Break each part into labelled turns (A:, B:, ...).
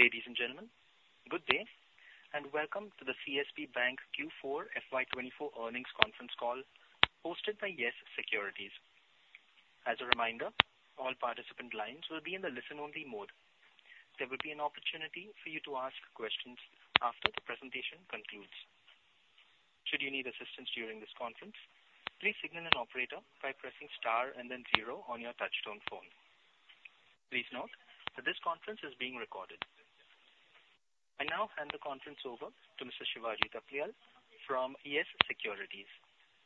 A: Ladies and gentlemen, good day, and welcome to the CSB Bank Q4 FY24 earnings conference call, hosted by Yes Securities. As a reminder, all participant lines will be in the listen-only mode. There will be an opportunity for you to ask questions after the presentation concludes. Should you need assistance during this conference, please signal an operator by pressing star and then zero on your touchtone phone. Please note that this conference is being recorded. I now hand the conference over to Mr. Shivaji Thapliyal from Yes Securities.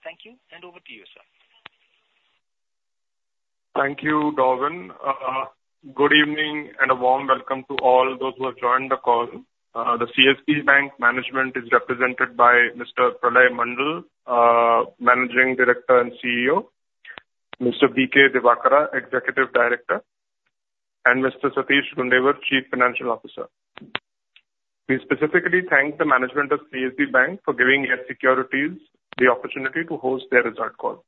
A: Thank you, and over to you, sir.
B: Thank you, Gavin. Good evening, and a warm welcome to all those who have joined the call. The CSB Bank management is represented by Mr. Pralay Mondal, Managing Director and CEO, Mr. B.K. Divakara, Executive Director, and Mr. Satish Gundewar, Chief Financial Officer. We specifically thank the management of CSB Bank for giving Yes Securities the opportunity to host their result call.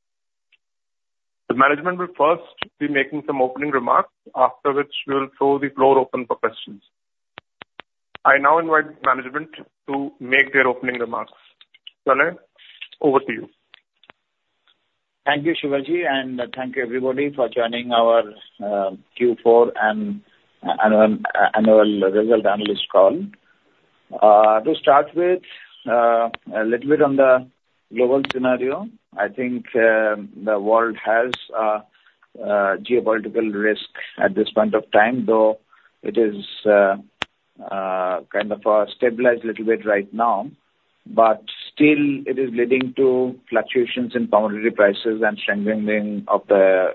B: The management will first be making some opening remarks, after which we'll throw the floor open for questions. I now invite management to make their opening remarks. Pralay, over to you.
C: Thank you, Shivaji, and thank you, everybody, for joining our Q4 and annual result analyst call. To start with, a little bit on the global scenario, I think, the world has geopolitical risk at this point of time, though it is kind of stabilized little bit right now. But still, it is leading to fluctuations in commodity prices and strengthening of the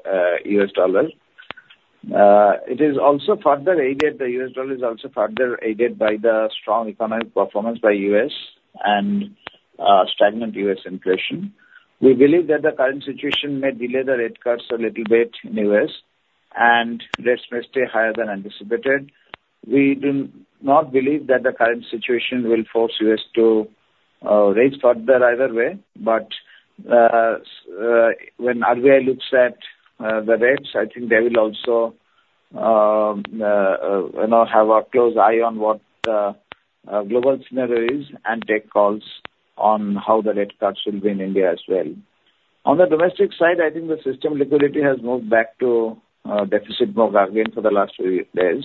C: U.S. dollar. It is also further aided, the U.S. dollar is also further aided by the strong economic performance by US and stagnant U.S. inflation. We believe that the current situation may delay the rate cuts a little bit in U.S., and rates may stay higher than anticipated. We do not believe that the current situation will force the U.S. to raise further either way, but when RBI looks at the rates, I think they will also, you know, have a close eye on what the global scenario is and take calls on how the rate cuts will be in India as well. On the domestic side, I think the system liquidity has moved back to deficit mode again for the last few days,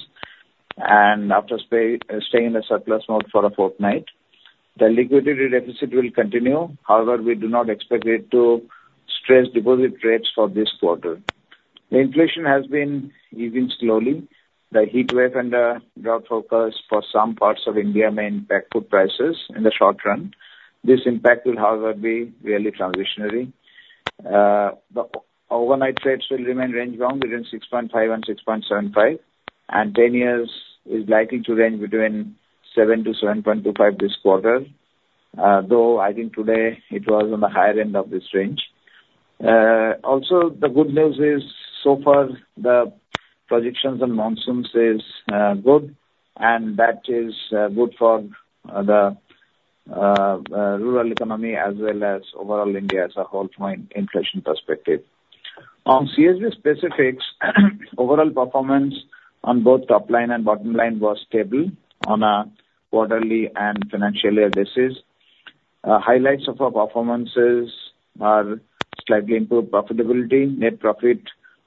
C: and after staying in a surplus mode for a fortnight. The liquidity deficit will continue. However, we do not expect it to stress deposit rates for this quarter. The inflation has been easing slowly. The heatwave and the drought focus for some parts of India may impact food prices in the short run. This impact will, however, be really transitory. The overnight rates will remain range-bound between 6.5 and 6.75, and ten years is likely to range between 7-7.25 this quarter, though I think today it was on the higher end of this range. Also, the good news is, so far the projections on monsoons is good, and that is good for the rural economy as well as overall India as a whole from an inflation perspective. On CSB specifics, overall performance on both top line and bottom line was stable on a quarterly and financial year basis. Highlights of our performances are slightly improved profitability, net profit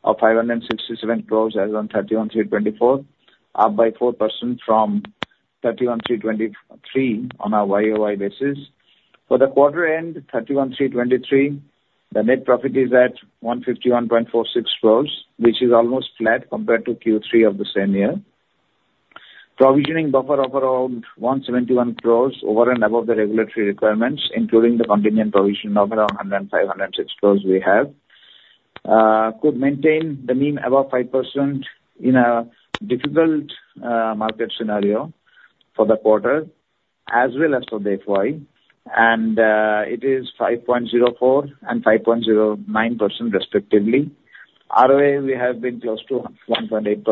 C: of 567 crore as on 31/3/2024, up by 4% from 31/3/2023 on a year-over-year basis. For the quarter end March 31, 2023, the net profit is at 151.46 crores, which is almost flat compared to Q3 of the same year. Provisioning buffer of around 171 crores over and above the regulatory requirements, including the contingent provision of around 105.06 crores we have, could maintain the NIM above 5% in a difficult market scenario for the quarter as well as for the FY. It is 5.04% and 5.09% respectively. ROA, we have been close to 1.8%.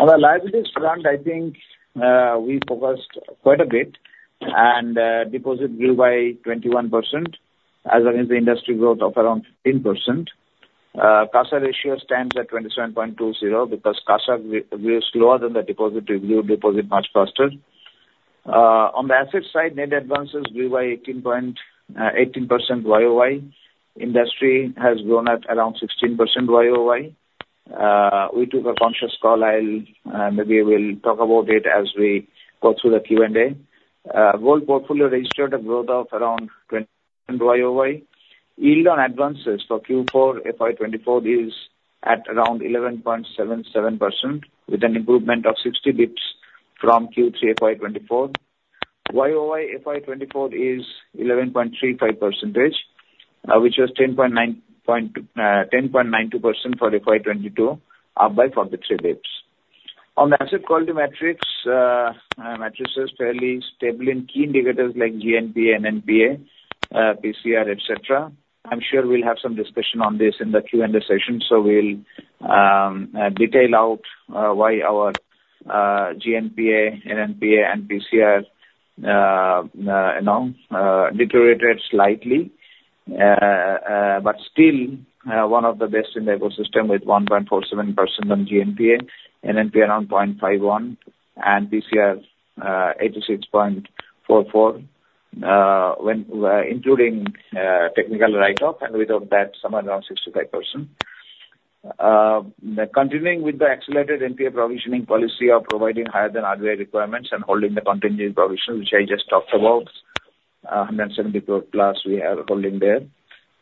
C: On our liabilities front, I think we focused quite a bit, and deposit grew by 21%, as against the industry growth of around 15%. CASA ratio stands at 27.20, because CASA grows slower than the deposit, we grew deposit much faster. On the asset side, net advances grew by 18% year-over-year. Industry has grown at around 16% year-over-year. We took a conscious call. I'll maybe we'll talk about it as we go through the Q&A. Gold portfolio registered a growth of around 20% year-over-year. Yield on advances for Q4 FY 2024 is at around 11.77%, with an improvement of 60 bps from Q3 FY 2024. Year-over-year FY 2024 is 11.35%, which was 10.92% for FY 2022, up by 43 basis points. On the asset quality metrics, metrics fairly stable in key indicators like GNPA, NNPA, PCR, etc. I'm sure we'll have some discussion on this in the Q&A session, so we'll detail out why our GNPA, NNPA and PCR you know deteriorated slightly, but still one of the best in the ecosystem, with 1.47% on GNPA, NNPA around 0.51, and PCR 86.44% when including technical write-off, and without that, somewhere around 65%. Continuing with the accelerated NPA provisioning policy of providing higher than RBI requirements and holding the contingent provision, which I just talked about, 174+ we are holding there.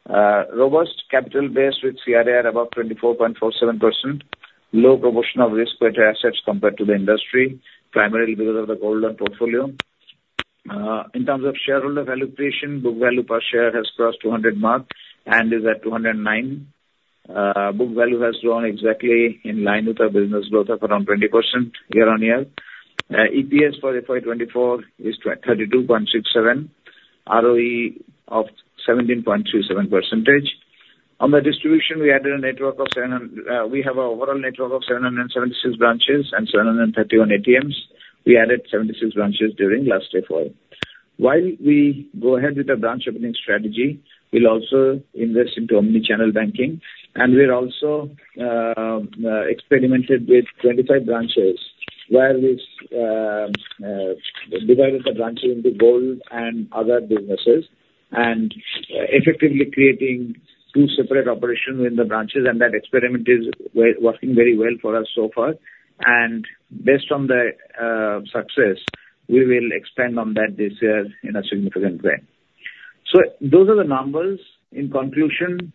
C: Robust capital base with CRAR above 24.47%. Low proportion of risk-weighted assets compared to the industry, primarily because of the gold loan portfolio. In terms of shareholder valuation, book value per share has crossed 200 mark and is at 209. Book value has grown exactly in line with our business growth of around 20% year-on-year. EPS for FY 2024 is at 32.67, ROE of 17.27%. On the distribution, we added a network of seven hundred—we have an overall network of 776 branches and 731 ATMs. We added 76 branches during last FY. While we go ahead with the branch opening strategy, we'll also invest into omni-channel banking, and we're also experimented with 25 branches, where we've divided the branches into gold and other businesses, and effectively creating two separate operations in the branches, and that experiment is working very well for us so far. Based on the success, we will expand on that this year in a significant way. Those are the numbers. In conclusion,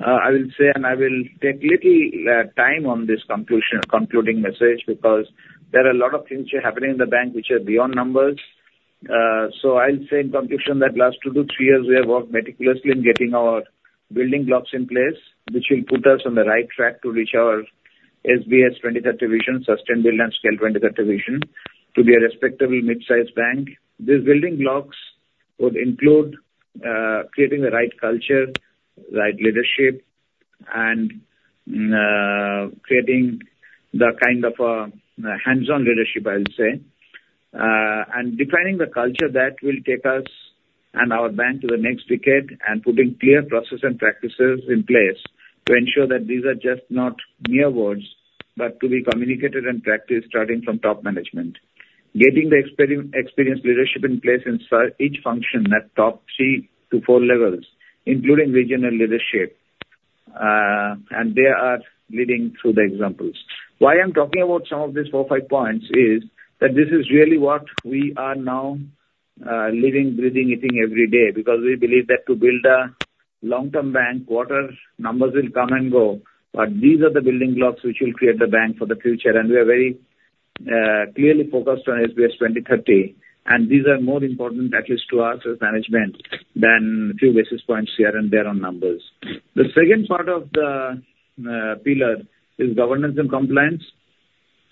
C: I will say, and I will take little time on this conclusion, concluding message, because there are a lot of things happening in the bank which are beyond numbers. I'll say in conclusion that last two to three years, we have worked meticulously in getting our building blocks in place, which will put us on the right track to reach our SBS 2030 vision, sustainable and scale 2030 vision, to be a respectable mid-sized bank. These building blocks would include creating the right culture, right leadership, and creating the kind of hands-on leadership, I'll say. And defining the culture that will take us and our bank to the next decade, and putting clear process and practices in place to ensure that these are just not mere words, but to be communicated and practiced, starting from top management. Getting the experienced leadership in place inside each function at top three to four levels, including regional leadership, and they are leading through the examples. Why I'm talking about some of these four, five points is, that this is really what we are now living, breathing, eating every day, because we believe that to build a long-term bank, quarters, numbers will come and go, but these are the building blocks which will create the bank for the future. We are very clearly focused on SBS 2030, and these are more important, at least to us as management, than a few basis points here and there on numbers. The second part of the pillar is governance and compliance.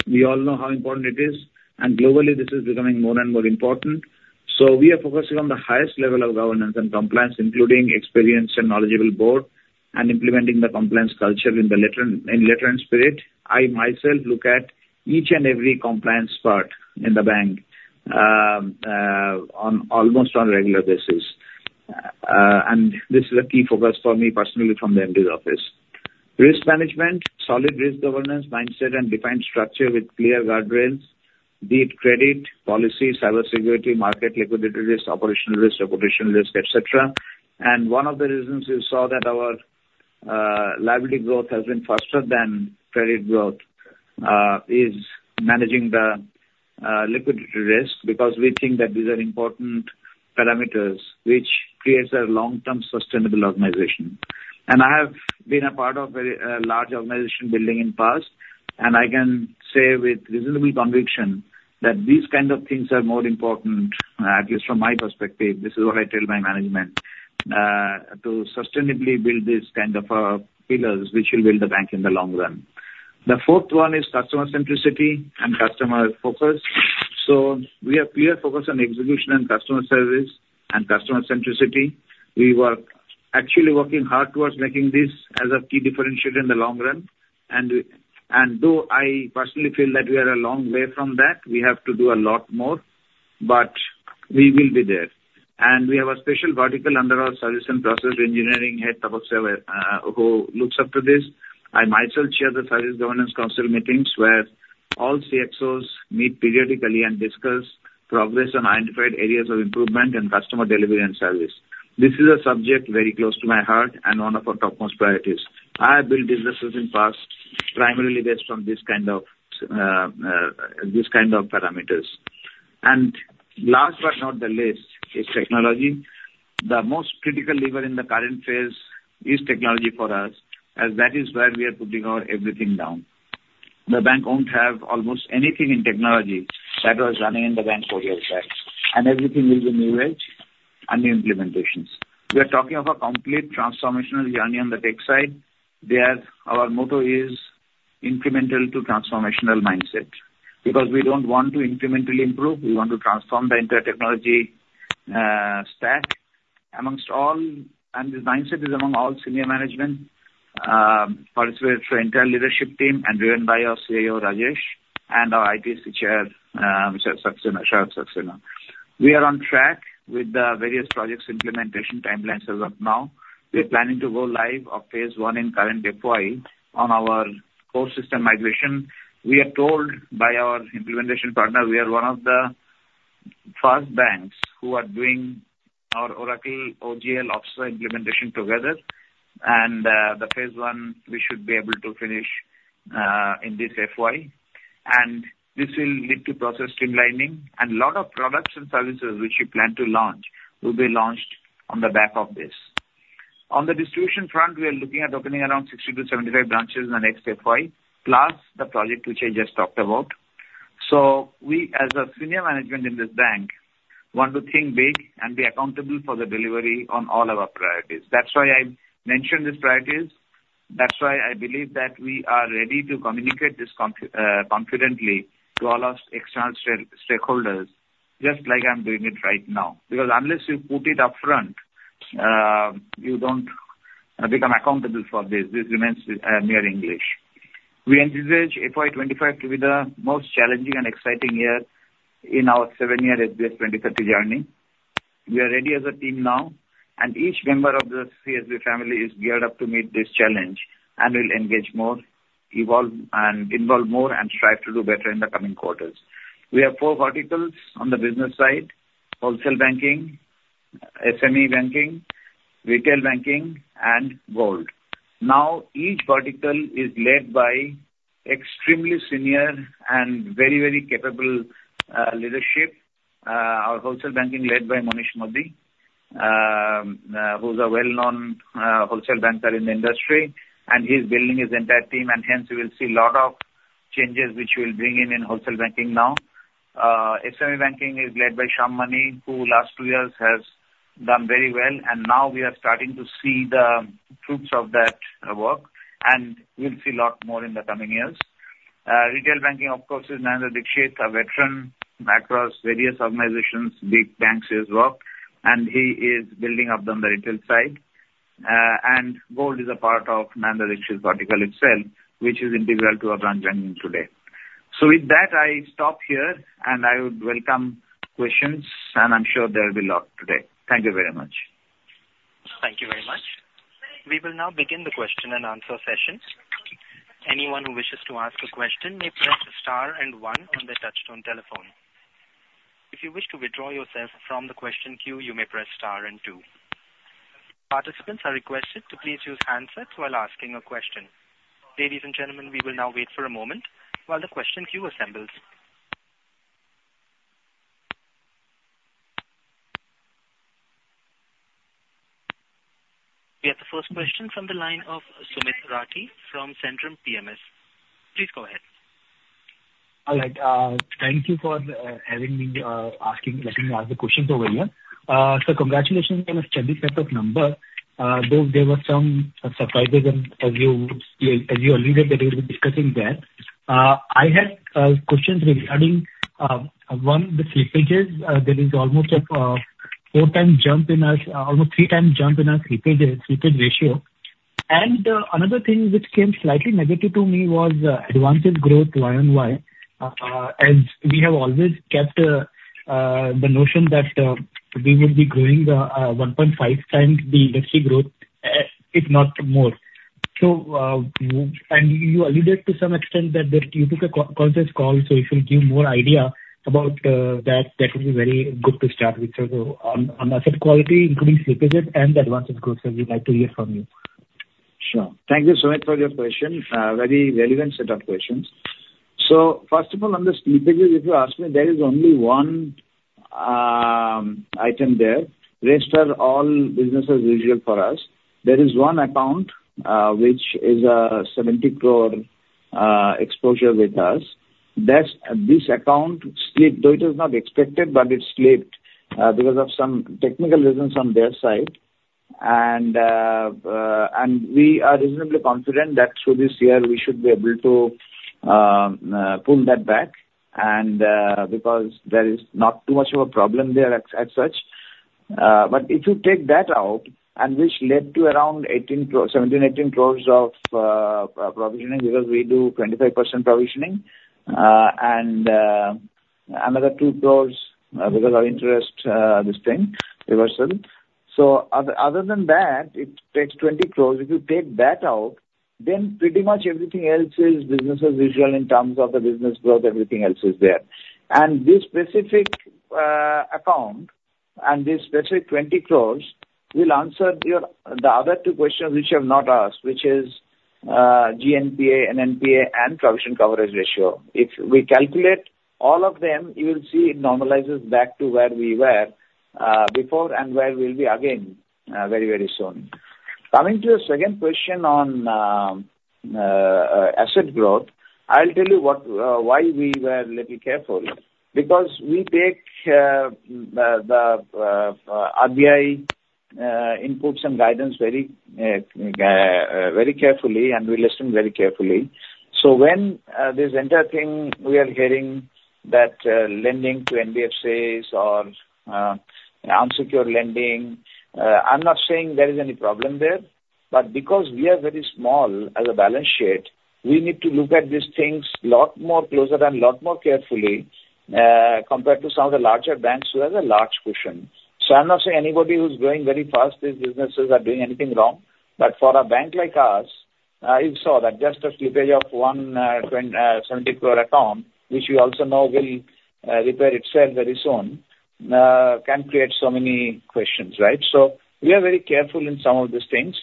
C: We all know how important it is, and globally, this is becoming more and more important. So we are focusing on the highest level of governance and compliance, including experienced and knowledgeable board, and implementing the compliance culture in the letter, in letter and spirit. I myself look at each and every compliance part in the bank, on almost on a regular basis. And this is a key focus for me personally from the MD's office. Risk management, solid risk governance mindset and defined structure with clear guardrails, be it credit, policy, cybersecurity, market liquidity risk, operational risk, reputational risk, etc. One of the reasons you saw that our liability growth has been faster than credit growth is managing the liquidity risk, because we think that these are important parameters, which creates a long-term sustainable organization. I have been a part of very large organization building in past, and I can say with reasonable conviction that these kind of things are more important, at least from my perspective. This is what I tell my management to sustainably build these kind of pillars which will build the bank in the long run. The fourth one is customer centricity and customer focus. So we are clearly focused on execution and customer service and customer centricity. We are actually working hard towards making this as a key differentiator in the long run. Though I personally feel that we are a long way from that, we have to do a lot more, but we will be there. And we have a special vertical under our service and process engineering head, Tapaswi, who looks after this. I myself chair the service governance council meetings, where all CXOs meet periodically and discuss progress on identified areas of improvement in customer delivery and service. This is a subject very close to my heart and one of our topmost priorities. I have built businesses in past, primarily based on this kind of, this kind of parameters. Last but not the least, is technology. The most critical lever in the current phase is technology for us, as that is where we are putting our everything down. The bank won't have almost anything in technology that was running in the bank four years back, and everything will be new age and new implementations. We are talking of a complete transformational journey on the tech side. There, our motto is incremental to transformational mindset, because we don't want to incrementally improve, we want to transform the entire technology, stack amongst all, and this mindset is among all senior management, participate through entire leadership team and driven by our CIO, Rajesh, and our ITSC chair, Mr. Saxena, Sharad Saxena. We are on track with the various projects' implementation timelines as of now. We are planning to go live on phase one in current FY on our core system migration. We are told by our implementation partner, we are one of the first banks who are doing our Oracle OGL implementation together. The phase one, we should be able to finish in this FY. This will lead to process streamlining, and a lot of products and services which we plan to launch will be launched on the back of this. On the distribution front, we are looking at opening around 60-75 branches in the next FY, plus the project which I just talked about. So we, as senior management in this bank, want to think big and be accountable for the delivery on all of our priorities. That's why I mentioned these priorities. That's why I believe that we are ready to communicate this confidently to all our external stakeholders, just like I'm doing it right now. Because unless you put it upfront, you don't become accountable for this. This remains near English. We envisage FY 2025 to be the most challenging and exciting year in our 7-year SBS 2030 journey. We are ready as a team now, and each member of the CSB family is geared up to meet this challenge, and will engage more, evolve and involve more, and strive to do better in the coming quarters. We have four verticals on the business side: wholesale banking, SME banking, retail banking, and gold. Now, each vertical is led by extremely senior and very, very capable leadership. Our wholesale banking is led by Manish Modi, who's a well-known wholesale banker in the industry, and he's building his entire team, and hence you will see lot of changes which we'll bring in, in wholesale banking now. SME banking is led by Shyam Mani, who last two years has done very well, and now we are starting to see the fruits of that work, and we'll see lot more in the coming years. Retail banking, of course, is Narendra Dixit, a veteran across various organizations, big banks he's worked, and he is building up on the retail side. And gold is a part of Narendra Dixit vertical itself, which is integral to our branch banking today. So with that, I stop here, and I would welcome questions, and I'm sure there will be a lot today. Thank you very much.
A: Thank you very much. We will now begin the question and answer session. Anyone who wishes to ask a question may press star and one on their touch-tone telephone. If you wish to withdraw yourself from the question queue, you may press star and two. Participants are requested to please use handsets while asking a question. Ladies and gentlemen, we will now wait for a moment while the question queue assembles. We have the first question from the line of Sumit Rathi from Centrum PMS. Please go ahead.
D: All right, thank you for having me, letting me ask the questions over here. So congratulations on a steady set of number. Though there were some surprises and as you, as you alluded that we'll be discussing that. I had questions regarding one, the slippages. There is almost a 4 times jump in our almost 3 times jump in our slippage slippage ratio. And another thing which came slightly negative to me was advances growth year-on-year. As we have always kept the notion that we will be growing 1.5 times the industry growth, if not more. And you alluded to some extent that you took a conscious call, so if you give more idea about that, that would be very good to start with. So on asset quality, increased slippages and the advances growth, I would like to hear from you.
C: Sure. Thank you, Sumit, for your question. Very relevant set of questions. So first of all, on the slippage, if you ask me, there is only one item there. Rest are all business as usual for us. There is one account, which is a 70 crore exposure with us. That's this account slipped, though it was not expected, but it slipped because of some technical reasons on their side. And we are reasonably confident that through this year, we should be able to pull that back and because there is not too much of a problem there as such. But if you take that out, and which led to around 17 crore-18 crore of provisioning, because we do 25% provisioning, and another 2 crore because of interest this thing reversal. So other than that, it takes 20 crore. If you take that out, then pretty much everything else is business as usual in terms of the business growth, everything else is there. And this specific account, and this specific 20 crore, will answer your, the other two questions which you have not asked, which is GNPA, NNPA and provision coverage ratio. If we calculate all of them, you will see it normalizes back to where we were before and where we'll be again very, very soon. Coming to the second question on asset growth, I'll tell you what, why we were little careful. Because we take the RBI inputs and guidance very very carefully, and we listen very carefully. So when this entire thing, we are hearing that lending to NBFCs or unsecured lending, I'm not saying there is any problem there, but because we are very small as a balance sheet, we need to look at these things lot more closer and lot more carefully compared to some of the larger banks who have a large cushion. So I'm not saying anybody who's growing very fast, these businesses are doing anything wrong, but for a bank like us, you saw that just a slippage of 127 crore account, which you also know will repair itself very soon, can create so many questions, right? So we are very careful in some of these things.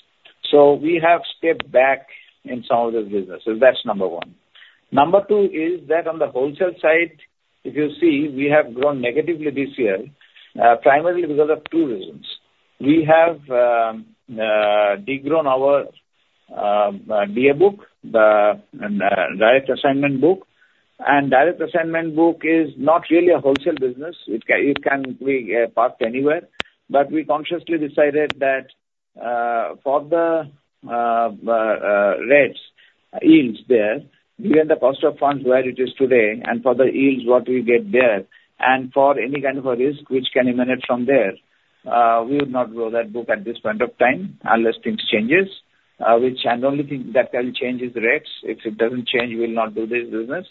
C: So we have stepped back in some of those businesses. That's number one. Number two is that on the wholesale side, if you see, we have grown negatively this year, primarily because of two reasons. We have de-grown our DA book, the direct assignment book. And direct assignment book is not really a wholesale business. It can, it can be parked anywhere. But we consciously decided that, for the rates, yields there, given the cost of funds where it is today and for the yields, what we get there, and for any kind of a risk which can emanate from there, we would not grow that book at this point of time unless things changes, which I only think that can change is rates. If it doesn't change, we will not do this business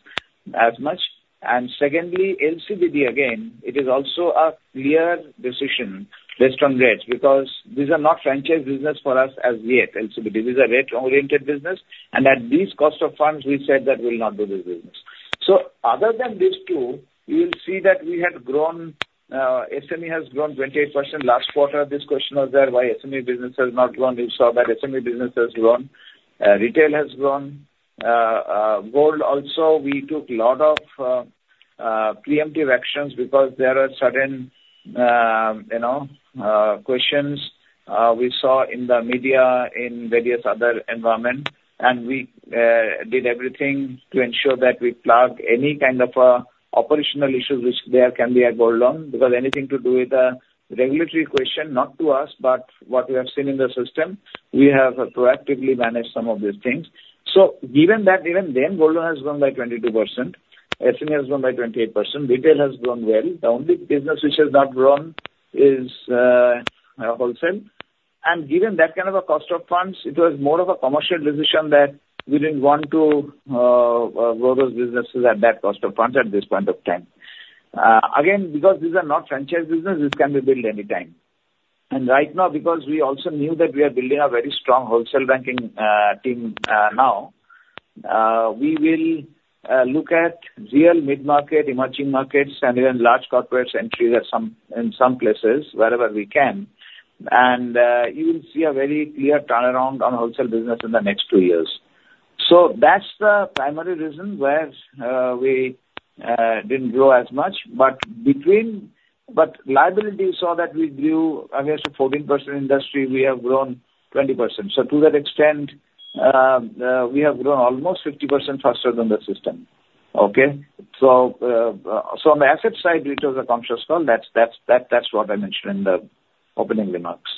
C: as much. And secondly, LCPD, again, it is also a clear decision based on rates, because these are not franchise business for us as yet, LCPD. This is a rate-oriented business, and at these cost of funds, we said that we'll not do this business. So other than these two, you will see that we had grown, SME has grown 28%. Last quarter, this question was there, why SME business has not grown? You saw that SME business has grown, retail has grown. Gold also, we took lot of preemptive actions because there are certain, you know, questions we saw in the media in various other environment, and we did everything to ensure that we plug any kind of operational issues which there can be at gold loan. Because anything to do with a regulatory question, not to us, but what we have seen in the system, we have proactively managed some of these things. So given that, even then, gold loan has grown by 22%, SME has grown by 28%, retail has grown well. The only business which has not grown is wholesale. Given that kind of a cost of funds, it was more of a commercial decision that we didn't want to grow those businesses at that cost of funds at this point of time. Again, because these are not franchise business, this can be built anytime. And right now, because we also knew that we are building a very strong wholesale banking team, now we will look at real mid-market, emerging markets and even large corporates entries in some places, wherever we can, and you will see a very clear turnaround on wholesale business in the next two years. So that's the primary reason where we didn't grow as much. But liability, you saw that we grew against a 14% industry, we have grown 20%. So to that extent, we have grown almost 50% faster than the system. Okay? So on the asset side, it was a conscious call. That's what I mentioned in the opening remarks.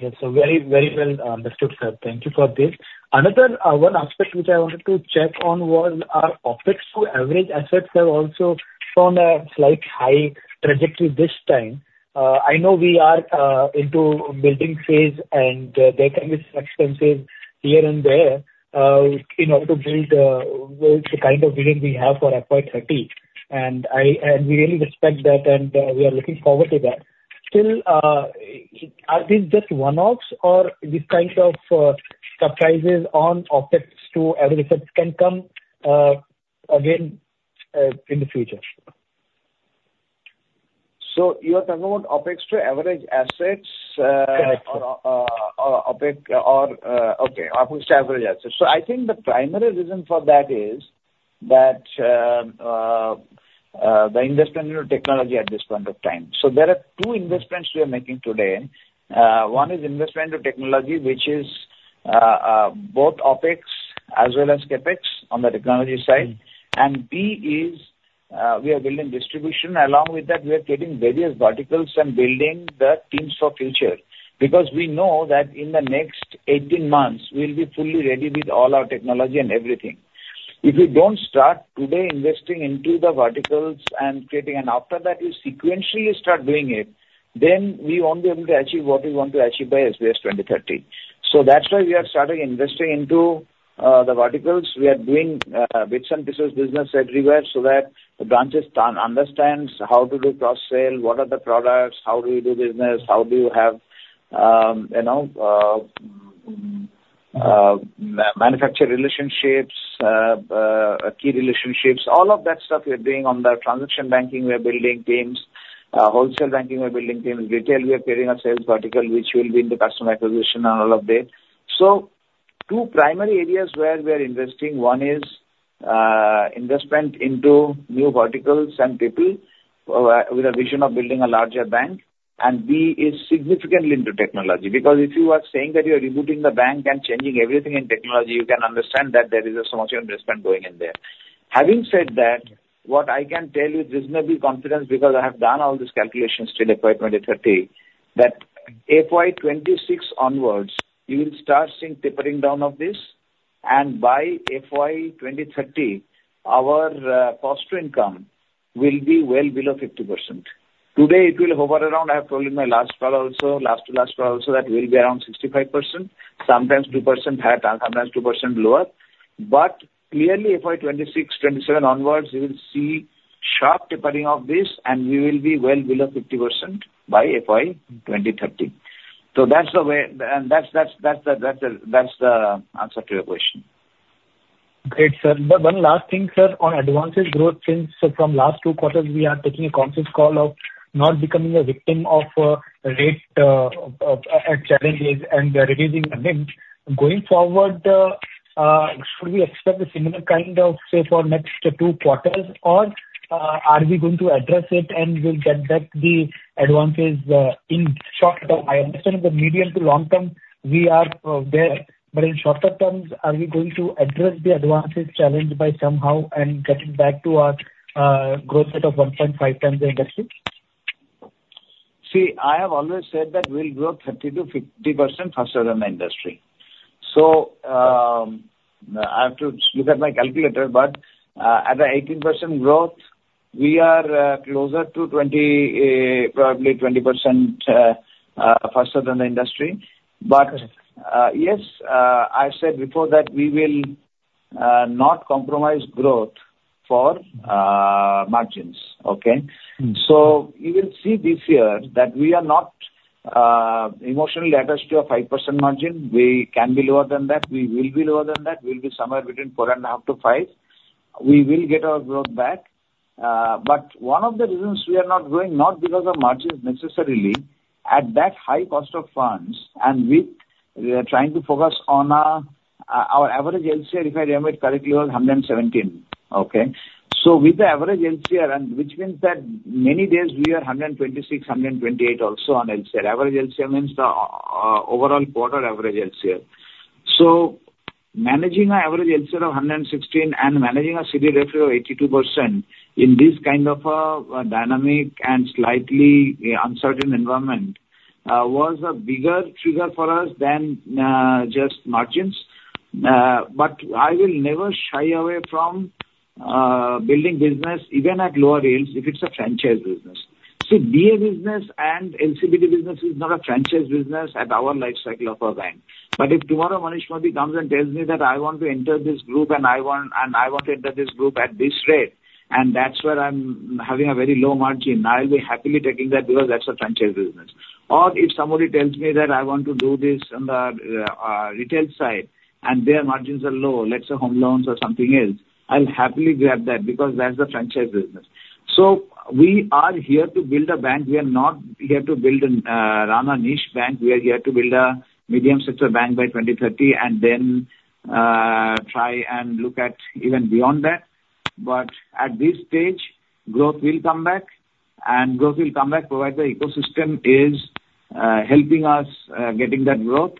D: Yes, so very, very well understood, sir. Thank you for this. Another one aspect which I wanted to check on was our OpEx to average assets have also shown a slight high trajectory this time. I know we are into building phase, and there can be some expenses here and there in order to build well, the kind of vision we have for FY 2030. And I- and we really respect that, and we are looking forward to that. Still, are these just one-offs, or these kinds of surprises on OpEx to average assets can come again in the future?
C: You are talking about OpEx to average assets.
D: Correct.
C: OpEx to average assets. So I think the primary reason for that is that the investment into technology at this point of time. So there are two investments we are making today. One is investment to technology, which is both OpEx as well as CapEx on the technology side and B is, we are building distribution. Along with that, we are creating various verticals and building the teams for future. Because we know that in the next 18 months, we'll be fully ready with all our technology and everything. If we don't start today investing into the verticals and creating, and after that, we sequentially start doing it, then we won't be able to achieve what we want to achieve by SBS 2030. So that's why we are starting investing into the verticals. We are doing bits and pieces business everywhere so that the branches can understands how to do cross-sale, what are the products, how do you do business, how do you have, you know, manufacturing relationships, key relationships. All of that stuff we are doing. On the transaction banking, we are building teams. Wholesale banking, we are building teams. Retail, we are creating a sales vertical, which will be in the customer acquisition and all of that. So two primary areas where we are investing: one is, investment into new verticals and people, with a vision of building a larger bank, and B is significantly into technology. Because if you are saying that you are rebooting the bank and changing everything in technology, you can understand that there is a substantial investment going in there. Having said that, what I can tell you with reasonable confidence, because I have done all these calculations till FY 2030, that FY 2026 onwards, you will start seeing tapering down of this, and by FY 2030, our, cost to income will be well below 50%. Today it will hover around. I have told you in my last call also, last to last call also, that we'll be around 65%, sometimes 2% higher, sometimes 2% lower. But clearly, FY 2026, 2027 onwards, you will see sharp tapering of this, and we will be well below 50% by FY 2030. So that's the way and that's, that's, that's the, that's the, that's the answer to your question.
D: Great, sir. But one last thing, sir, on advances growth. Since from last two quarters, we are taking a conscious call of not becoming a victim of rate challenges and reducing NIM. Going forward, should we expect a similar kind of, say, for next two quarters? Or are we going to address it and we'll get back the advances in short term? I understand in the medium to long term we are there, but in shorter terms, are we going to address the advances challenge by somehow and getting back to our growth rate of 1.5x the industry?
C: See, I have always said that we'll grow 30%-50% faster than the industry. So, I have to look at my calculator, but, at a 18% growth, we are closer to 20, probably 20% faster than the industry. But-
D: Okay.
C: Yes, I said before that we will not compromise growth for margins. Okay?
D: Mm-hmm.
C: So you will see this year that we are not, emotionally attached to a 5% margin. We can be lower than that. We will be lower than that. We'll be somewhere between 4.5%-5%. We will get our growth back. But one of the reasons we are not growing, not because of margins necessarily, at that high cost of funds, and we, we are trying to focus on, our average LCR, if I remember it correctly, was 117. Okay? So with the average LCR and which means that many days we are 126, 128 also on LCR. Average LCR means the, overall quarter average LCR. So managing an average LCR of 116 and managing a CD ratio of 82% in this kind of a dynamic and slightly uncertain environment was a bigger trigger for us than just margins. But I will never shy away from building business even at lower yields if it's a franchise business. See, DA business and LCPD business is not a franchise business at our life cycle of our bank. But if tomorrow Manish Modi comes and tells me that I want to enter this group, and I want, and I want to enter this group at this rate, and that's where I'm having a very low margin, I'll be happily taking that because that's a franchise business. Or if somebody tells me that I want to do this on the, retail side, and their margins are low, let's say home loans or something else, I'll happily grab that because that's a franchise business. So we are here to build a bank. We are not here to build an, run a niche bank. We are here to build a medium-sized bank by 2030 and then, try and look at even beyond that. But at this stage, growth will come back, and growth will come back, provided the ecosystem is, helping us, getting that growth,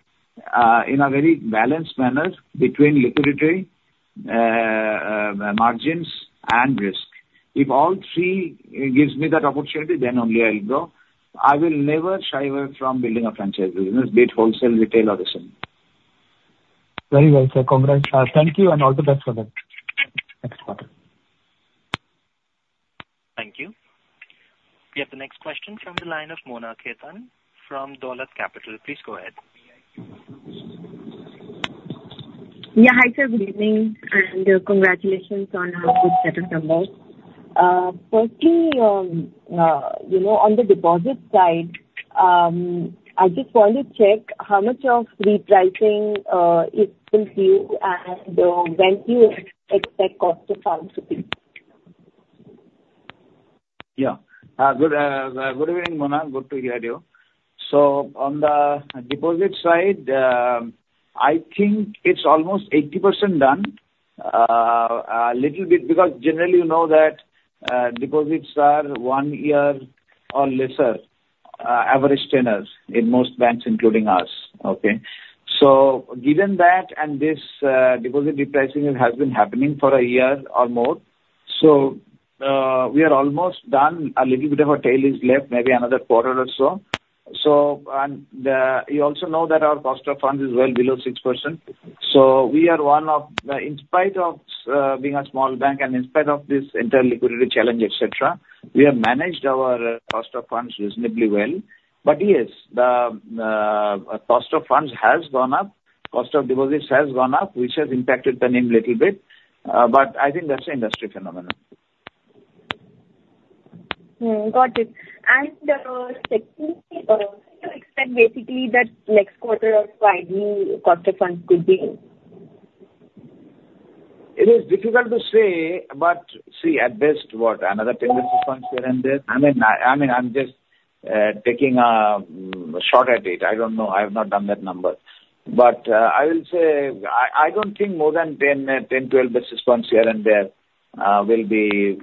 C: in a very balanced manner between liquidity, margins and risk. If all three gives me that opportunity, then only I'll grow. I will never shy away from building a franchise business, be it wholesale, retail or the same.
D: Very well, sir. Congrats. Thank you, and all the best for that. Next quarter.
A: Thank you. We have the next question from the line of Mona Khetan from Dolat Capital. Please go ahead.
E: Yeah. Hi, sir, good evening, and congratulations on a good set of numbers. Firstly, you know, on the deposit side, I just want to check how much of repricing is still due, and when do you expect cost to come to be?
C: Yeah. Good evening, Mona. Good to hear you. So on the deposit side, I think it's almost 80% done. Little bit because generally you know that, deposits are one year or lesser, average tenures in most banks, including us. Okay? So given that, and this, deposit repricing has been happening for a year or more, so, we are almost done. A little bit of a tail is left, maybe another quarter or so. So, and, you also know that our cost of funds is well below 6%. So we are one of in spite of, being a small bank and in spite of this entire liquidity challenge, et cetera, we have managed our cost of funds reasonably well. But yes, the cost of funds has gone up, cost of deposits has gone up, which has impacted the NIM little bit, but I think that's an industry phenomenon.
E: Hmm, got it. And, secondly, how do you expect basically that next quarter also, the cost of funds could be?
C: It is difficult to say, but see, at best, what, another 10 basis points here and there? I mean, I mean, I'm just taking a shot at it. I don't know. I have not done that number. But I will say I don't think more than 10-12 basis points here and there will be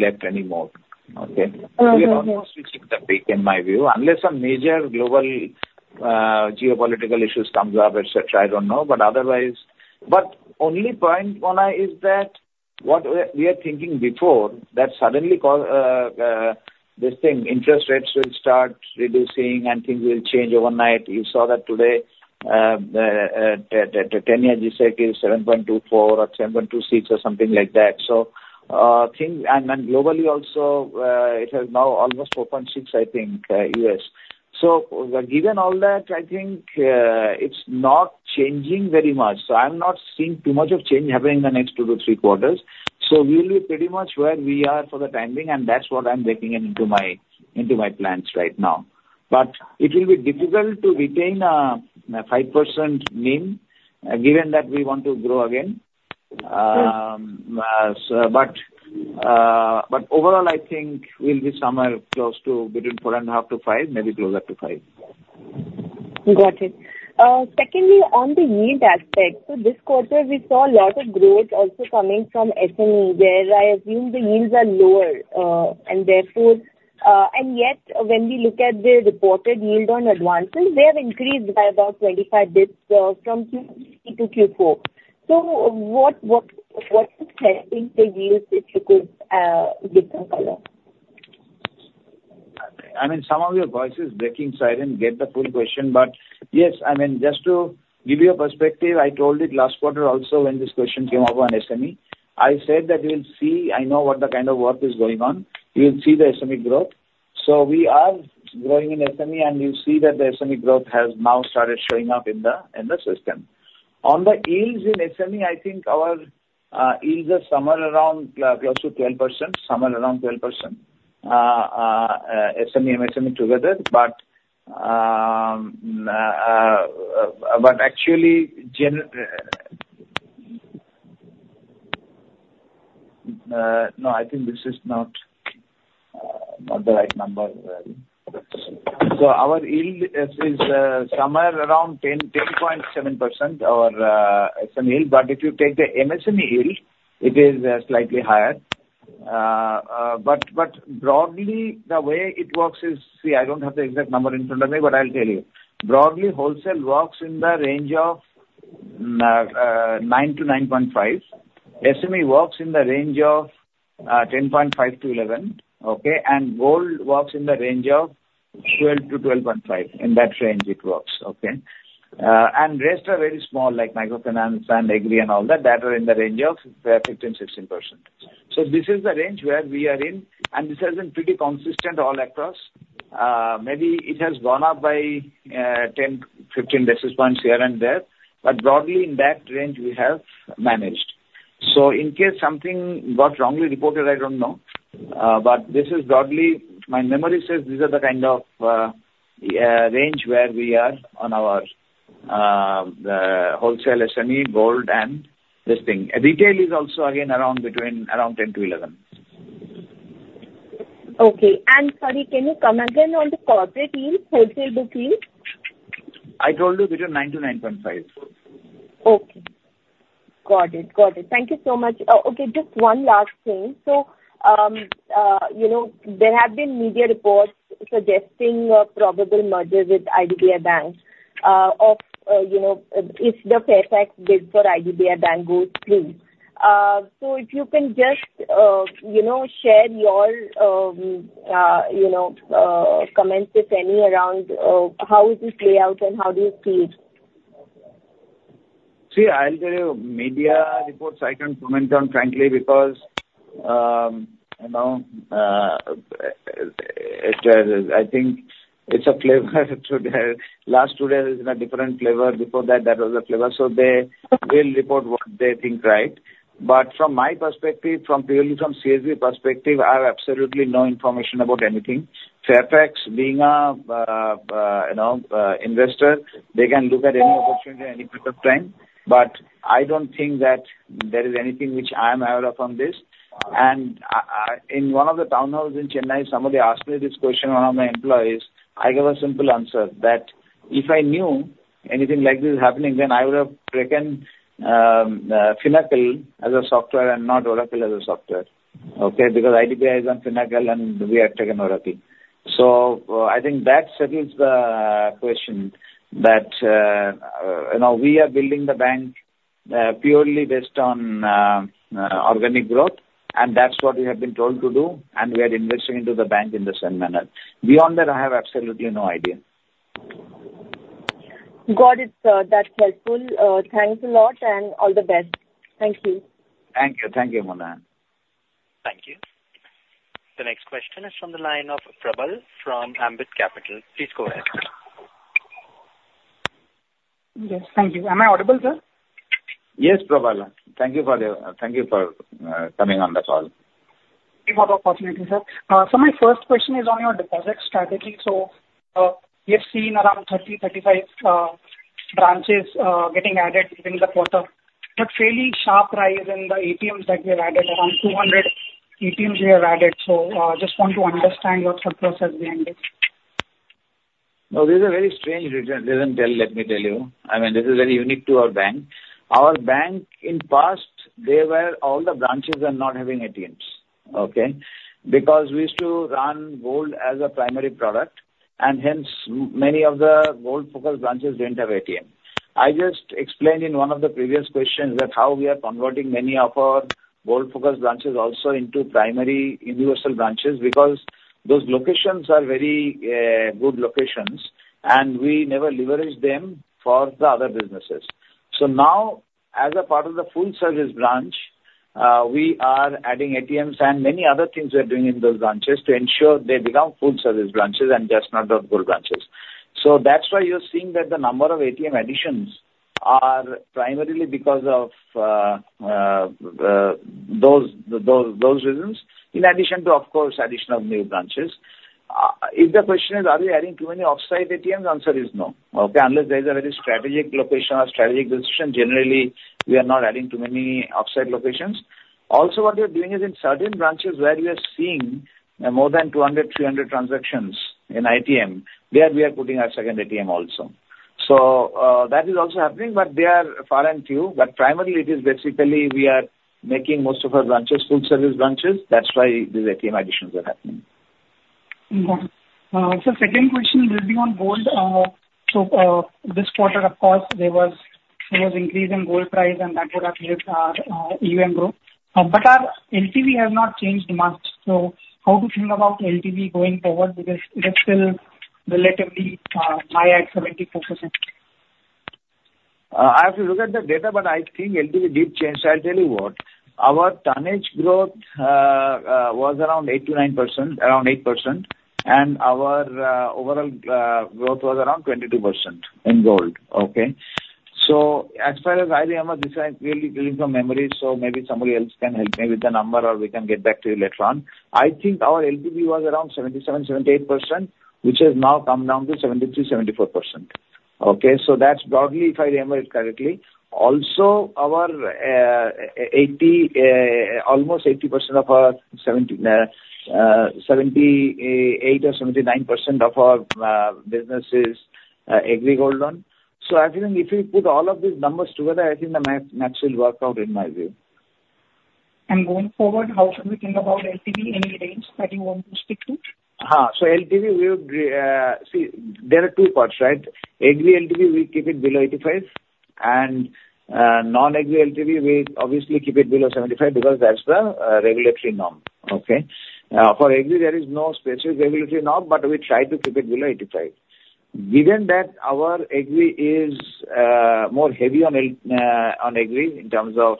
C: left anymore. Okay?
E: Uh, okay.
C: We have almost reached the peak, in my view. Unless some major global geopolitical issues comes up, et cetera, I don't know. But otherwise, but only point, Mona, is that what we are, we are thinking before, that suddenly this thing, interest rates will start reducing and things will change overnight. You saw that today, the 10-year G-Sec is 7.24 or 7.26, or something like that. So, things and globally also, it has now almost 4.6, I think, U.S. So given all that, I think, it's not changing very much. So I'm not seeing too much of change happening in the next 2 to 3 quarters. So we'll be pretty much where we are for the time being, and that's what I'm taking into my, into my plans right now. But it will be difficult to retain 5% NIM, given that we want to grow again. But overall, I think we'll be somewhere close to between 4.5% to 5%, maybe closer to 5%.
E: Got it. Secondly, on the yield aspect, so this quarter we saw a lot of growth also coming from SME, where I assume the yields are lower. And therefore. And yet, when we look at the reported yield on advances, they have increased by about 25 basis points, from Q3 to Q4. So what is happening to yields, if you could give some color?
C: I mean, some of your voice is breaking, so I didn't get the full question. But yes, I mean, just to give you a perspective, I told it last quarter also when this question came up on SME. I said that you will see I know what the kind of work is going on. You'll see the SME growth. So we are growing in SME, and you'll see that the SME growth has now started showing up in the, in the system. On the yields in SME, I think our yields are somewhere around close to 12%, somewhere around 12%, SME and MSME together. But, but actually, no, I think this is not, not the right number. So our yield is, somewhere around ten, 10.7%, our SME yield. But if you take the MSME yield, it is slightly higher. But broadly, the way it works is. See, I don't have the exact number in front of me, but I'll tell you. Broadly, wholesale works in the range of 9-9.5. SME works in the range of 10.5-11, okay? And gold works in the range of 12-12.5. In that range it works, okay? And rest are very small, like microfinance and agri and all that, that are in the range of 15%-16%. So this is the range where we are in, and this has been pretty consistent all across. Maybe it has gone up by 10-15 basis points here and there, but broadly in that range we have managed. So in case something got wrongly reported, I don't know, but this is broadly, my memory says these are the kind of range where we are on our wholesale SME, gold, and this thing. Retail is also again around between, around 10-11.
E: Okay. And sorry, can you comment again on the corporate yield, wholesale book yield?
C: I told you between 9-9.5.
E: Okay. Got it. Got it. Thank you so much. Okay, just one last thing. So, you know, there have been media reports suggesting a probable merger with IDBI Bank, of, you know, if the Fairfax bid for IDBI Bank goes through. So if you can just, you know, share your, you know, comments, if any, around, how this play out and how do you see it?
C: See, I'll tell you, media reports I can't comment on, frankly, because, you know, it, I think it's a flavor to the last two days is in a different flavor. Before that, that was a flavor. So they, they'll report what they think, right? But from my perspective, from purely from CSB perspective, I have absolutely no information about anything. Fairfax being a, you know, investor, they can look at any opportunity at any point of time, but I don't think that there is anything which I am aware of on this. And I, in one of the town halls in Chennai, somebody asked me this question, one of my employees, I gave a simple answer, that if I knew anything like this is happening, then I would have taken Finacle as a software and not Oracle as a software, okay? Because IDBI is on Finacle, and we have taken Oracle. So, I think that settles the question, that, you know, we are building the bank, purely based on, organic growth, and that's what we have been told to do, and we are investing into the bank in the same manner. Beyond that, I have absolutely no idea.
E: Got it. That's helpful. Thanks a lot, and all the best. Thank you.
C: Thank you. Thank you, Mona.
A: Thank you. The next question is from the line of Prabal from Ambit Capital. Please go ahead.
F: Yes, thank you. Am I audible, sir?
C: Yes, Prabal. Thank you for coming on the call.
F: Thank you for the opportunity, sir. So my first question is on your deposit strategy. We have seen around 30-35 branches getting added within the quarter, but fairly sharp rise in the ATMs that we have added, around 200 ATMs we have added. Just want to understand what's the process behind it?
C: No, this is a very strange reason, let me tell you. I mean, this is very unique to our bank. Our bank, in past, they were all the branches were not having ATMs. Okay? Because we used to run gold as a primary product, and hence many of the gold-focused branches didn't have ATM. I just explained in one of the previous questions that how we are converting many of our gold-focused branches also into primary universal branches, because those locations are very good locations, and we never leverage them for the other businesses. So now, as a part of the full-service branch, we are adding ATMs and many other things we are doing in those branches to ensure they become full-service branches and just not the gold branches. So that's why you're seeing that the number of ATM additions are primarily because of those, those reasons, in addition to, of course, addition of new branches. If the question is, are we adding too many off-site ATMs? The answer is no, okay? Unless there is a very strategic location or strategic decision, generally, we are not adding too many off-site locations. Also, what we are doing is in certain branches where we are seeing more than 200, 300 transactions in ATM, there we are putting our second ATM also. That is also happening, but they are far and few. But primarily, it is basically we are making most of our branches full-service branches. That's why these ATM additions are happening.
F: Got it. Second question will be on gold. This quarter, of course, there was increase in gold price, and that would have helped our AUM grow. But our LTV has not changed much, so how to think about LTV going forward, because it is still relatively high at 70%?
C: I have to look at the data, but I think LTV did change. I'll tell you what. Our tonnage growth was around 8%-9%, around 8%, and our overall growth was around 22% in gold, okay? So as far as I remember, this is really dealing from memory, so maybe somebody else can help me with the number, or we can get back to you later on. I think our LTV was around 77%-78%, which has now come down to 73%-74%. Okay, so that's broadly, if I remember it correctly. Also, almost 80%, 78% or 79% of our business is agri gold loan. I think if you put all of these numbers together, I think the math will work out, in my view.
F: Going forward, how should we think about LTV? Any range that you want to stick to?
C: So LTV, we would see, there are two parts, right? Agri LTV, we keep it below 85%, and non-agri LTV, we obviously keep it below 75% because that's the regulatory norm, okay? For agri, there is no specific regulatory norm, but we try to keep it below 85%. Given that our agri is more heavy on agri in terms of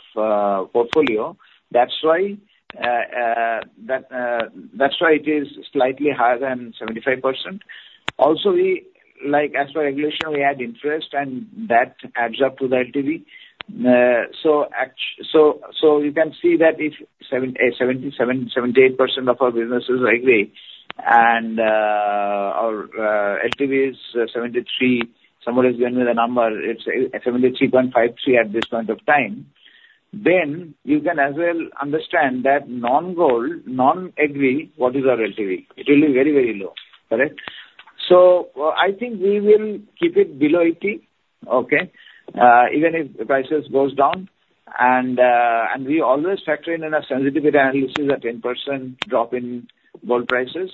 C: portfolio, that's why, that, that's why it is slightly higher than 75%. Also, we like, as per regulation, we add interest, and that adds up to the LTV. So, so you can see that if 77%-78% of our business is agri, and, our, LTV is 73%, someone has given me the number, it's, 73.53% at this point of time, then you can as well understand that non-gold, non-agri, what is our LTV? It will be very, very low. Correct? So, I think we will keep it below 80%, okay, even if prices goes down. And, and we always factor in, in our sensitivity analysis, a 10% drop in gold prices,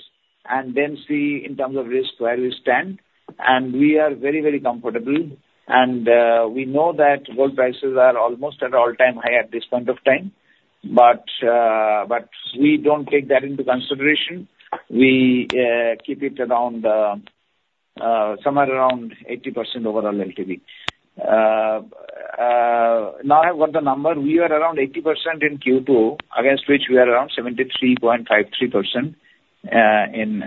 C: and then see, in terms of risk, where we stand. And we are very, very comfortable. And, we know that gold prices are almost at all-time high at this point of time, but, but we don't take that into consideration. We keep it around somewhere around 80% overall LTV. Now I've got the number. We are around 80% in Q2, against which we are around 73.53% in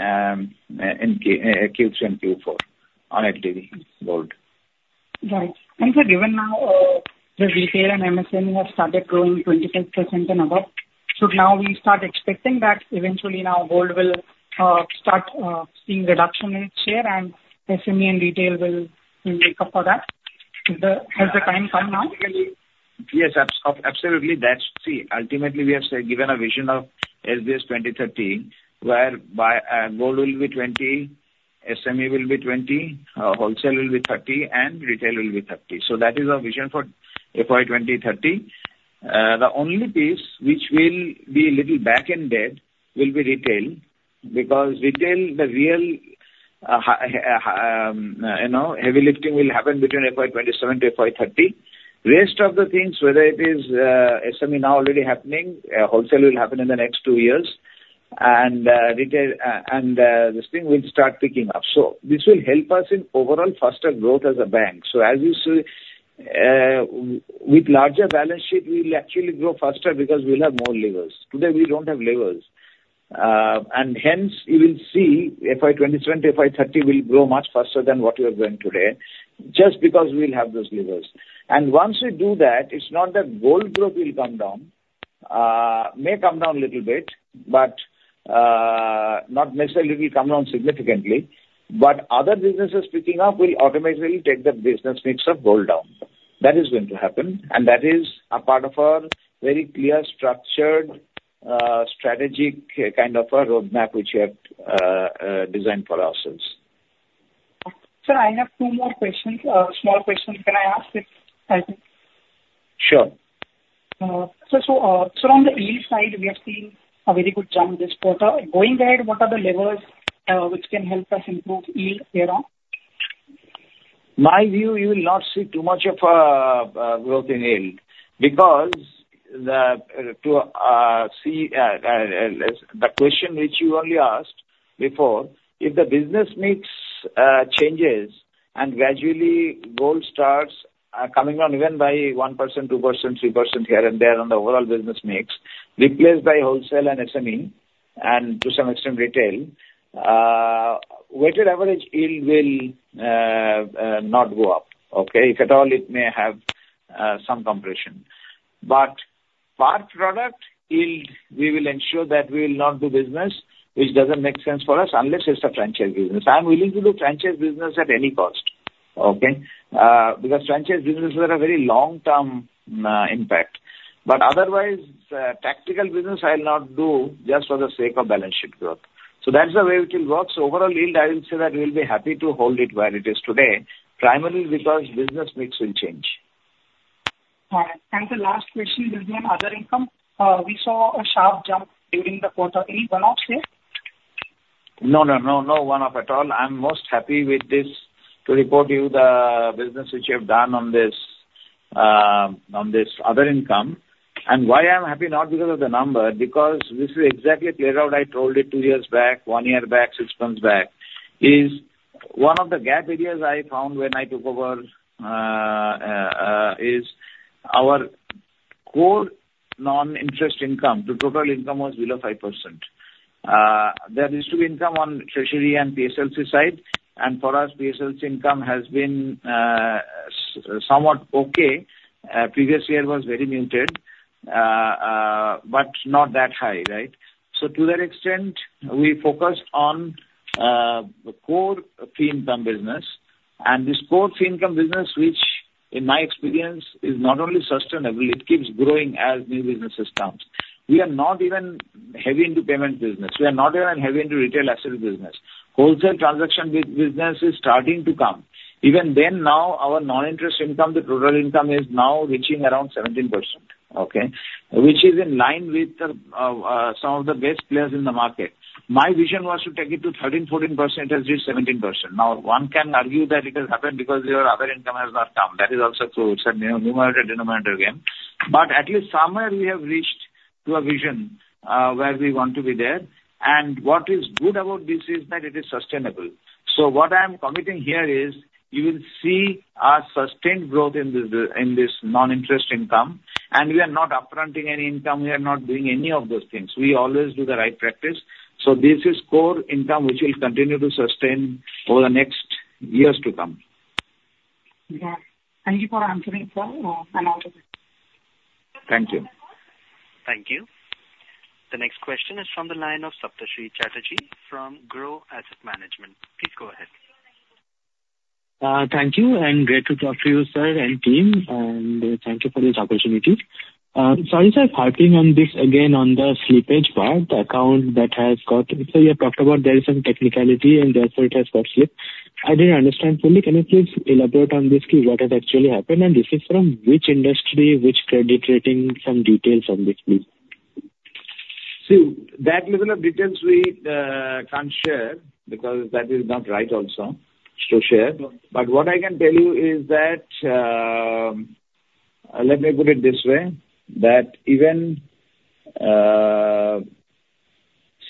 C: Q3 and Q4 on LTV gold.
F: Right. And so given now, the retail and MSME have started growing 25% and above, so now we start expecting that eventually now gold will start seeing reduction in its share and SME and retail will make up for that. Has the time come now?
C: Yes, absolutely. That's see, ultimately, we have said, given a vision of SBS 2030, whereby gold will be 20, SME will be 20, wholesale will be 30, and retail will be 30. So that is our vision for FY 2030. The only piece which will be a little backended will be retail, because retail, the real, you know, heavy lifting will happen between FY 2027 to FY 2030. Rest of the things, whether it is SME, now already happening, wholesale will happen in the next two years, and retail and this thing will start picking up. So this will help us in overall faster growth as a bank. So as you see, with larger balance sheet, we will actually grow faster because we'll have more levers. Today, we don't have levers. And hence, you will see FY 2027 to FY 2030 will grow much faster than what we are growing today, just because we will have those levers. And once we do that, it's not that gold growth will come down, may come down a little bit, but, not necessarily will come down significantly. But other businesses picking up will automatically take the business mix of gold down. That is going to happen, and that is a part of our very clear, structured, strategic, kind of a roadmap which we have designed for ourselves.
F: Sir, I have two more questions, small questions. Can I ask it, I think?
C: Sure.
F: So on the yield side, we are seeing a very good jump this quarter. Going ahead, what are the levers which can help us improve yield here on?
C: My view, you will not see too much of a growth in yield, because to see the question which you only asked before, if the business mix changes and gradually gold starts coming down even by 1%, 2%, 3%, here and there on the overall business mix, replaced by wholesale and SME, and to some extent, retail, weighted average yield will not go up. Okay? If at all, it may have some compression. But per product yield, we will ensure that we will not do business, which doesn't make sense for us, unless it's a franchise business. I'm willing to do franchise business at any cost, okay? Because franchise businesses are a very long-term impact. But otherwise, tactical business, I will not do just for the sake of balance sheet growth. That's the way it will work. Overall yield, I will say that we'll be happy to hold it where it is today, primarily because business mix will change.
F: Right. The last question will be on other income. We saw a sharp jump during the quarter. Any one-off here?
C: No, no, no, no one-off at all. I'm most happy with this, to report you the business which you have done on this, on this other income. And why I'm happy? Not because of the number, because this is exactly cleared out. I told it two years back, one year back, six months back, is one of the gap areas I found when I took over, is our core non-interest income to total income was below 5%. There is to be income on treasury and PSLC side, and for us, PSLC income has been, somewhat okay. Previous year was very muted, but not that high, right? So to that extent, we focused on, core fee income business. And this core fee income business, which, in my experience, is not only sustainable, it keeps growing as new businesses comes. We are not even heavy into payment business. We are not even heavy into retail asset business. Wholesale transaction business is starting to come. Even then, now, our non-interest income, the total income, is now reaching around 17%, okay? Which is in line with some of the best players in the market. My vision was to take it to 13%-14%. It has reached 17%. Now, one can argue that it has happened because your other income has not come. That is also true. It's a numerator, denominator game. But at least somewhere we have reached to a vision where we want to be there. And what is good about this is that it is sustainable. So what I am committing here is you will see a sustained growth in this, in this non-interest income, and we are not up-fronting any income. We are not doing any of those things. We always do the right practice. So this is core income, which will continue to sustain over the next years to come.
F: Yeah. Thank you for answering, sir. I'm out of it.
C: Thank you.
A: Thank you. The next question is from the line of Saptarshee Chatterjee from Groww Asset Management. Please go ahead.
G: Thank you, and great to talk to you, sir and team, and thank you for this opportunity. Sorry, sir, harping on this again, on the slippage part, the account that has got. So you have talked about there is some technicality, and therefore it has got slipped. I didn't understand fully. Can you please elaborate on this, key, what has actually happened, and this is from which industry, which credit rating? Some details on this, please.
C: See, that level of details we can't share, because that is not right also to share. But what I can tell you is that, let me put it this way, that even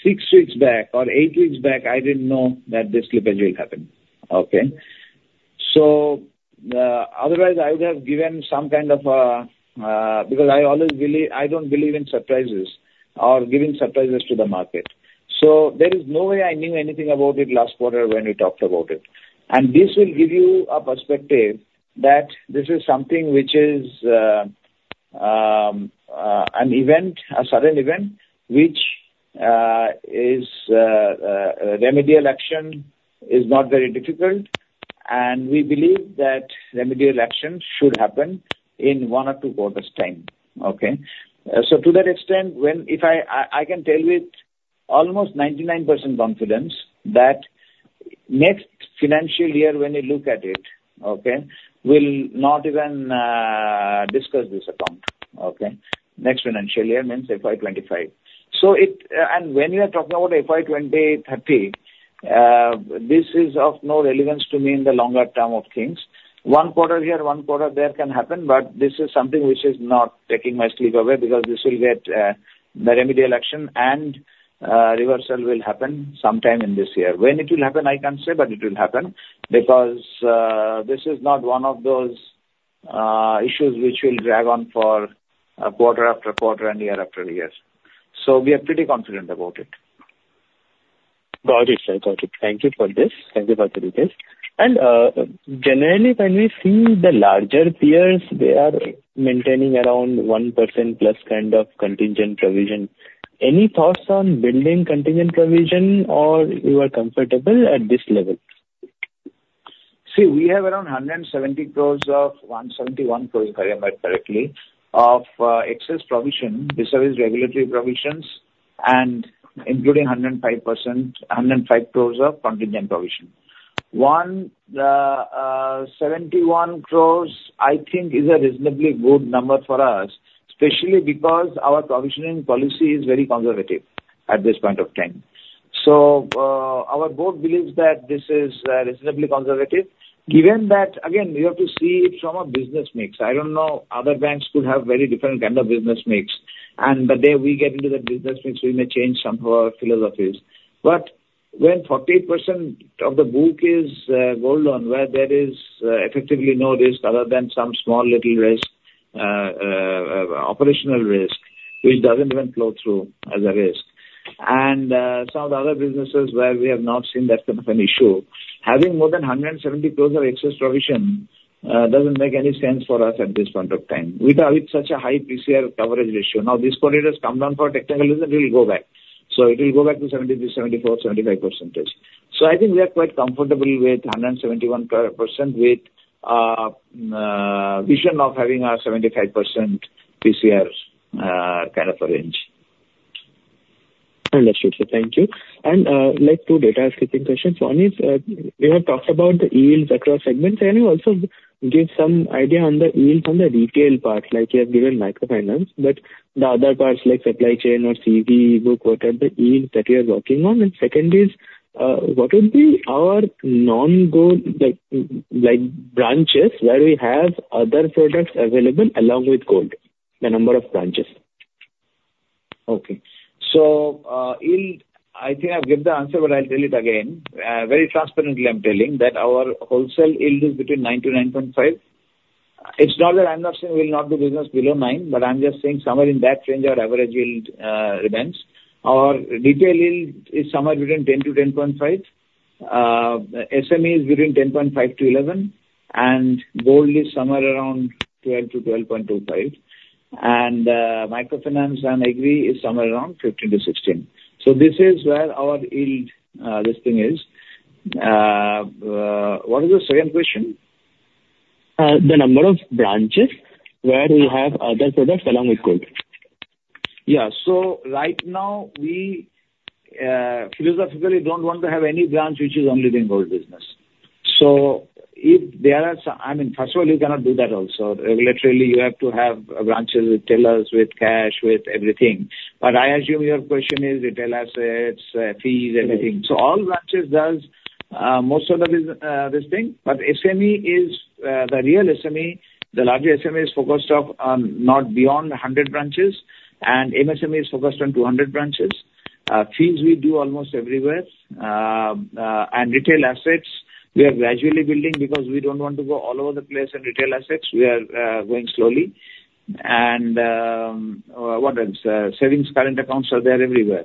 C: 6 weeks back or 8 weeks back, I didn't know that this slippage will happen. Okay? So, otherwise, I would have given some kind of because I always believe, I don't believe in surprises or giving surprises to the market. So there is no way I knew anything about it last quarter when we talked about it. And this will give you a perspective that this is something which is an event, a sudden event, which is remedial action is not very difficult, and we believe that remedial action should happen in 1 or 2 quarters' time, okay? So to that extent, when if I can tell with almost 99% confidence that next financial year, when you look at it, okay, we'll not even discuss this account, okay? Next financial year means FY25. So it, and when you are talking about FY2030, this is of no relevance to me in the longer term of things. One quarter here, one quarter there, can happen, but this is something which is not taking my sleep away, because this will get the remedial action and reversal will happen sometime in this year. When it will happen, I can't say, but it will happen, because this is not one of those issues which will drag on for a quarter after quarter and year after years. So we are pretty confident about it.
G: Got it, sir. Got it. Thank you for this. Thank you for the details. And, generally, when we see the larger peers, they are maintaining around 1%+ kind of contingent provision. Any thoughts on building contingent provision, or you are comfortable at this level?
C: See, we have around 170 crore of excess provision. This is regulatory provisions and including 105%, 105 crore of contingent provision. 171 crore, I think, is a reasonably good number for us, especially because our provisioning policy is very conservative at this point of time. So, our board believes that this is reasonably conservative, given that, again, you have to see it from a business mix. I don't know, other banks could have very different kind of business mix. And the day we get into the business mix, we may change some of our philosophies. But when 40% of the book is gold loan, where there is effectively no risk other than some small little risk, operational risk, which doesn't even flow through as a risk. And some of the other businesses where we have not seen that type of an issue, having more than 170 crore of excess provision doesn't make any sense for us at this point of time. With a, with such a high PCR coverage ratio, now this quarter has come down for technical reason, it will go back. So it will go back to 70%-75%. So I think we are quite comfortable with 171%, with vision of having a 75% PCR kind of a range.
G: Understood, sir. Thank you. And, like, two data housekeeping questions. One is, you have talked about the yields across segments, can you also give some idea on the yield from the retail part? Like you have given microfinance, but the other parts, like supply chain or CV book, what are the yields that you are working on? And second is, what would be our non-gold, like, branches where we have other products available along with gold, the number of branches?
C: Okay. So, yield, I think I've gave the answer, but I'll tell it again. Very transparently, I'm telling, that our wholesale yield is between 9-9.5. It's not that I'm not saying we'll not do business below 9, but I'm just saying somewhere in that range, our average yield remains. Our retail yield is somewhere between 10-10.5. SME is between 10.5-11, and gold is somewhere around 12-12.25. And, microfinance and agri is somewhere around 15-16. So this is where our yield listing is. What is the second question?
G: The number of branches where we have other products along with gold.
C: Yeah. So right now, we philosophically don't want to have any branch which is only doing gold business. So if there are some. I mean, first of all, you cannot do that also. Regulators, you have to have branches with tellers, with cash, with everything. But I assume your question is retail assets, fees, everything. So all branches does most of the business this thing, but SME is the real SME, the larger SME is focused on not beyond 100 branches, and MSME is focused on 200 branches. Fees we do almost everywhere. And retail assets, we are gradually building because we don't want to go all over the place in retail assets. We are going slowly. And what else? Savings, current accounts are there everywhere.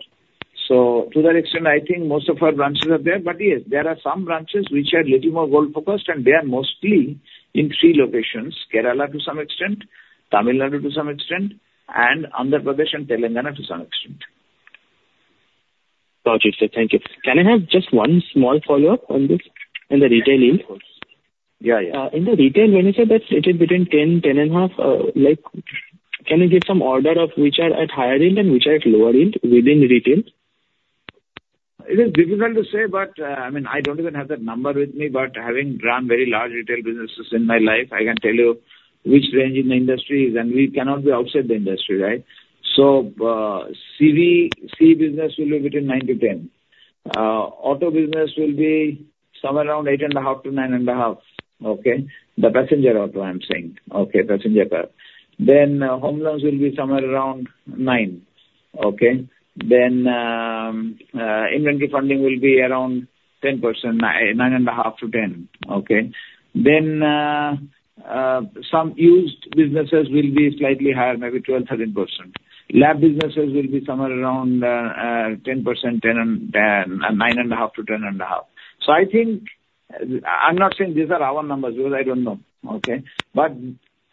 C: So to that extent, I think most of our branches are there. But yes, there are some branches which are little more gold-focused, and they are mostly in 3 locations: Kerala to some extent, Tamil Nadu to some extent, and Andhra Pradesh and Telangana to some extent.
G: Got you, sir. Thank you. Can I have just one small follow-up on this, on the retail yields?
C: Yeah, yeah.
G: In the retail, when you say that it is between 10 and 10.5, like, can you give some order of which are at higher yield and which are at lower yield within retail?
C: It is difficult to say, but, I mean, I don't even have that number with me, but having run very large retail businesses in my life, I can tell you which range in the industry is, and we cannot be outside the industry, right? So, CV business will be between 9%-10%. Auto business will be somewhere around 8.5%-9.5%. Okay? The passenger auto, I'm saying. Okay, passenger car. Then, home loans will be somewhere around 9%. Okay? Then, inventory funding will be around 10%, nine and a half to ten. Okay? Then, some used businesses will be slightly higher, maybe 12%, 13%. LAP businesses will be somewhere around, ten percent, ten and, nine and a half to ten and a half. So I think. I'm not saying these are our numbers, because I don't know. Okay? But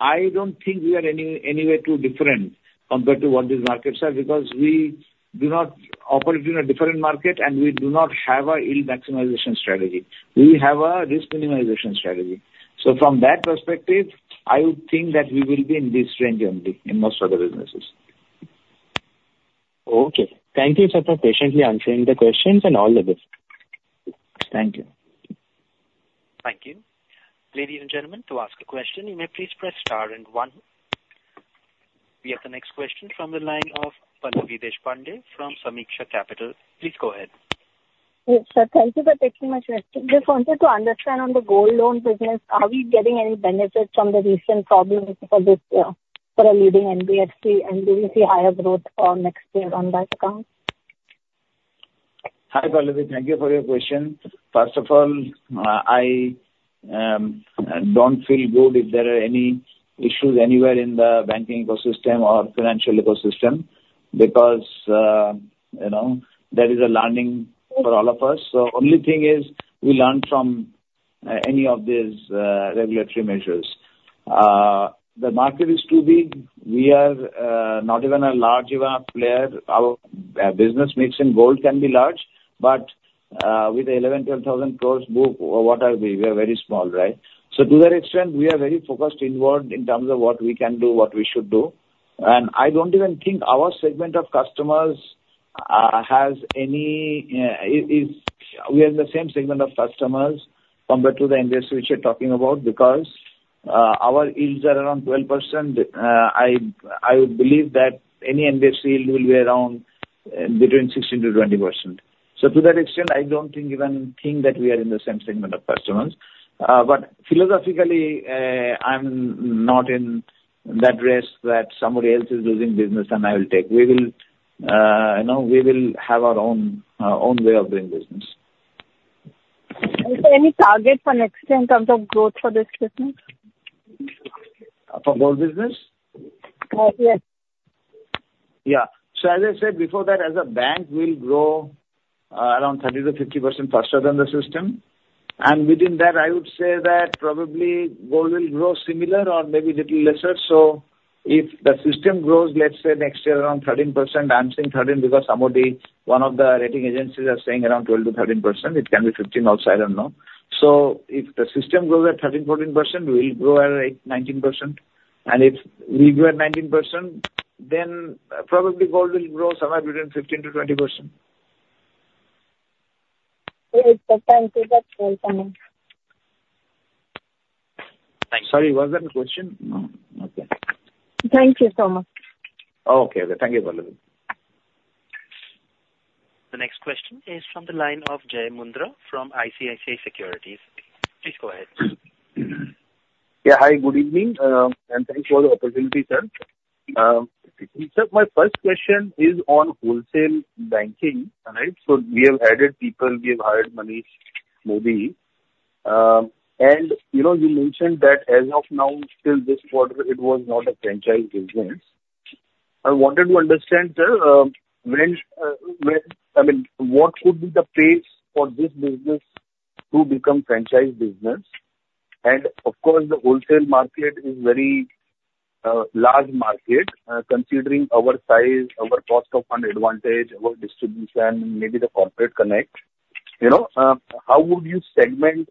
C: I don't think we are any, any way too different compared to what these markets are, because we do not operate in a different market, and we do not have a yield maximization strategy. We have a risk minimization strategy. So from that perspective, I would think that we will be in this range only in most of the businesses.
G: Okay. Thank you, sir, for patiently answering the questions and all the best. Thank you.
A: Thank you. Ladies and gentlemen, to ask a question, you may please press star and one. We have the next question from the line of Pallavi Deshpande from Sameeksha Capital. Please go ahead.
H: Yes, sir. Thank you for taking my question. Just wanted to understand on the gold loan business, are we getting any benefit from the recent problems for this, for a leading NBFC, and do we see higher growth for next year on that account?
C: Hi, Pallavi. Thank you for your question. First of all, I don't feel good if there are any issues anywhere in the banking ecosystem or financial ecosystem, because, you know, there is a learning for all of us. So only thing is, we learn from any of these regulatory measures. The market is too big. We are not even a large enough player. Our business mix in gold can be large, but with 11,000 crore to 12,000 crore book, what are we? We are very small, right? So to that extent, we are very focused inward in terms of what we can do, what we should do. I don't even think our segment of customers we have the same segment of customers compared to the industry which you're talking about, because our yields are around 12%. I would believe that any industry yield will be around between 16%-20%. So to that extent, I don't even think that we are in the same segment of customers. But philosophically, I'm not in that race that somebody else is losing business and I will take. We will, you know, we will have our own way of doing business.
H: Is there any target for next year in terms of growth for this business?
C: For gold business?
H: Uh, yes.
C: Yeah. So as I said before that, as a bank, we'll grow around 30%-50% faster than the system. And within that, I would say that probably gold will grow similar or maybe little lesser. So if the system grows, let's say, next year around 13%, I'm saying 13% because somebody, one of the rating agencies are saying around 12%-13%, it can be 15% also, I don't know. So if the system grows at 13%-14%, we will grow at 18%-19%. And if we grow at 19%, then probably gold will grow somewhere between 15%-20%.
H: Great. Thank you. That's very clear.
C: Sorry, was there any question? No. Okay.
H: Thank you so much.
C: Okay. Thank you, Pallavi.
A: The next question is from the line of Jay Mundra from ICICI Securities. Please go ahead.
I: Yeah. Hi, good evening, and thanks for the opportunity, sir. Sir, my first question is on wholesale banking, right? So we have added people, we have hired Manish Modi. And, you know, you mentioned that as of now, till this quarter, it was not a franchise business. I wanted to understand, sir, when, when-- I mean, what could be the pace for this business to become franchise business? And of course, the wholesale market is very, large market. Considering our size, our cost of fund advantage, our distribution, maybe the corporate connect, you know, how would you segment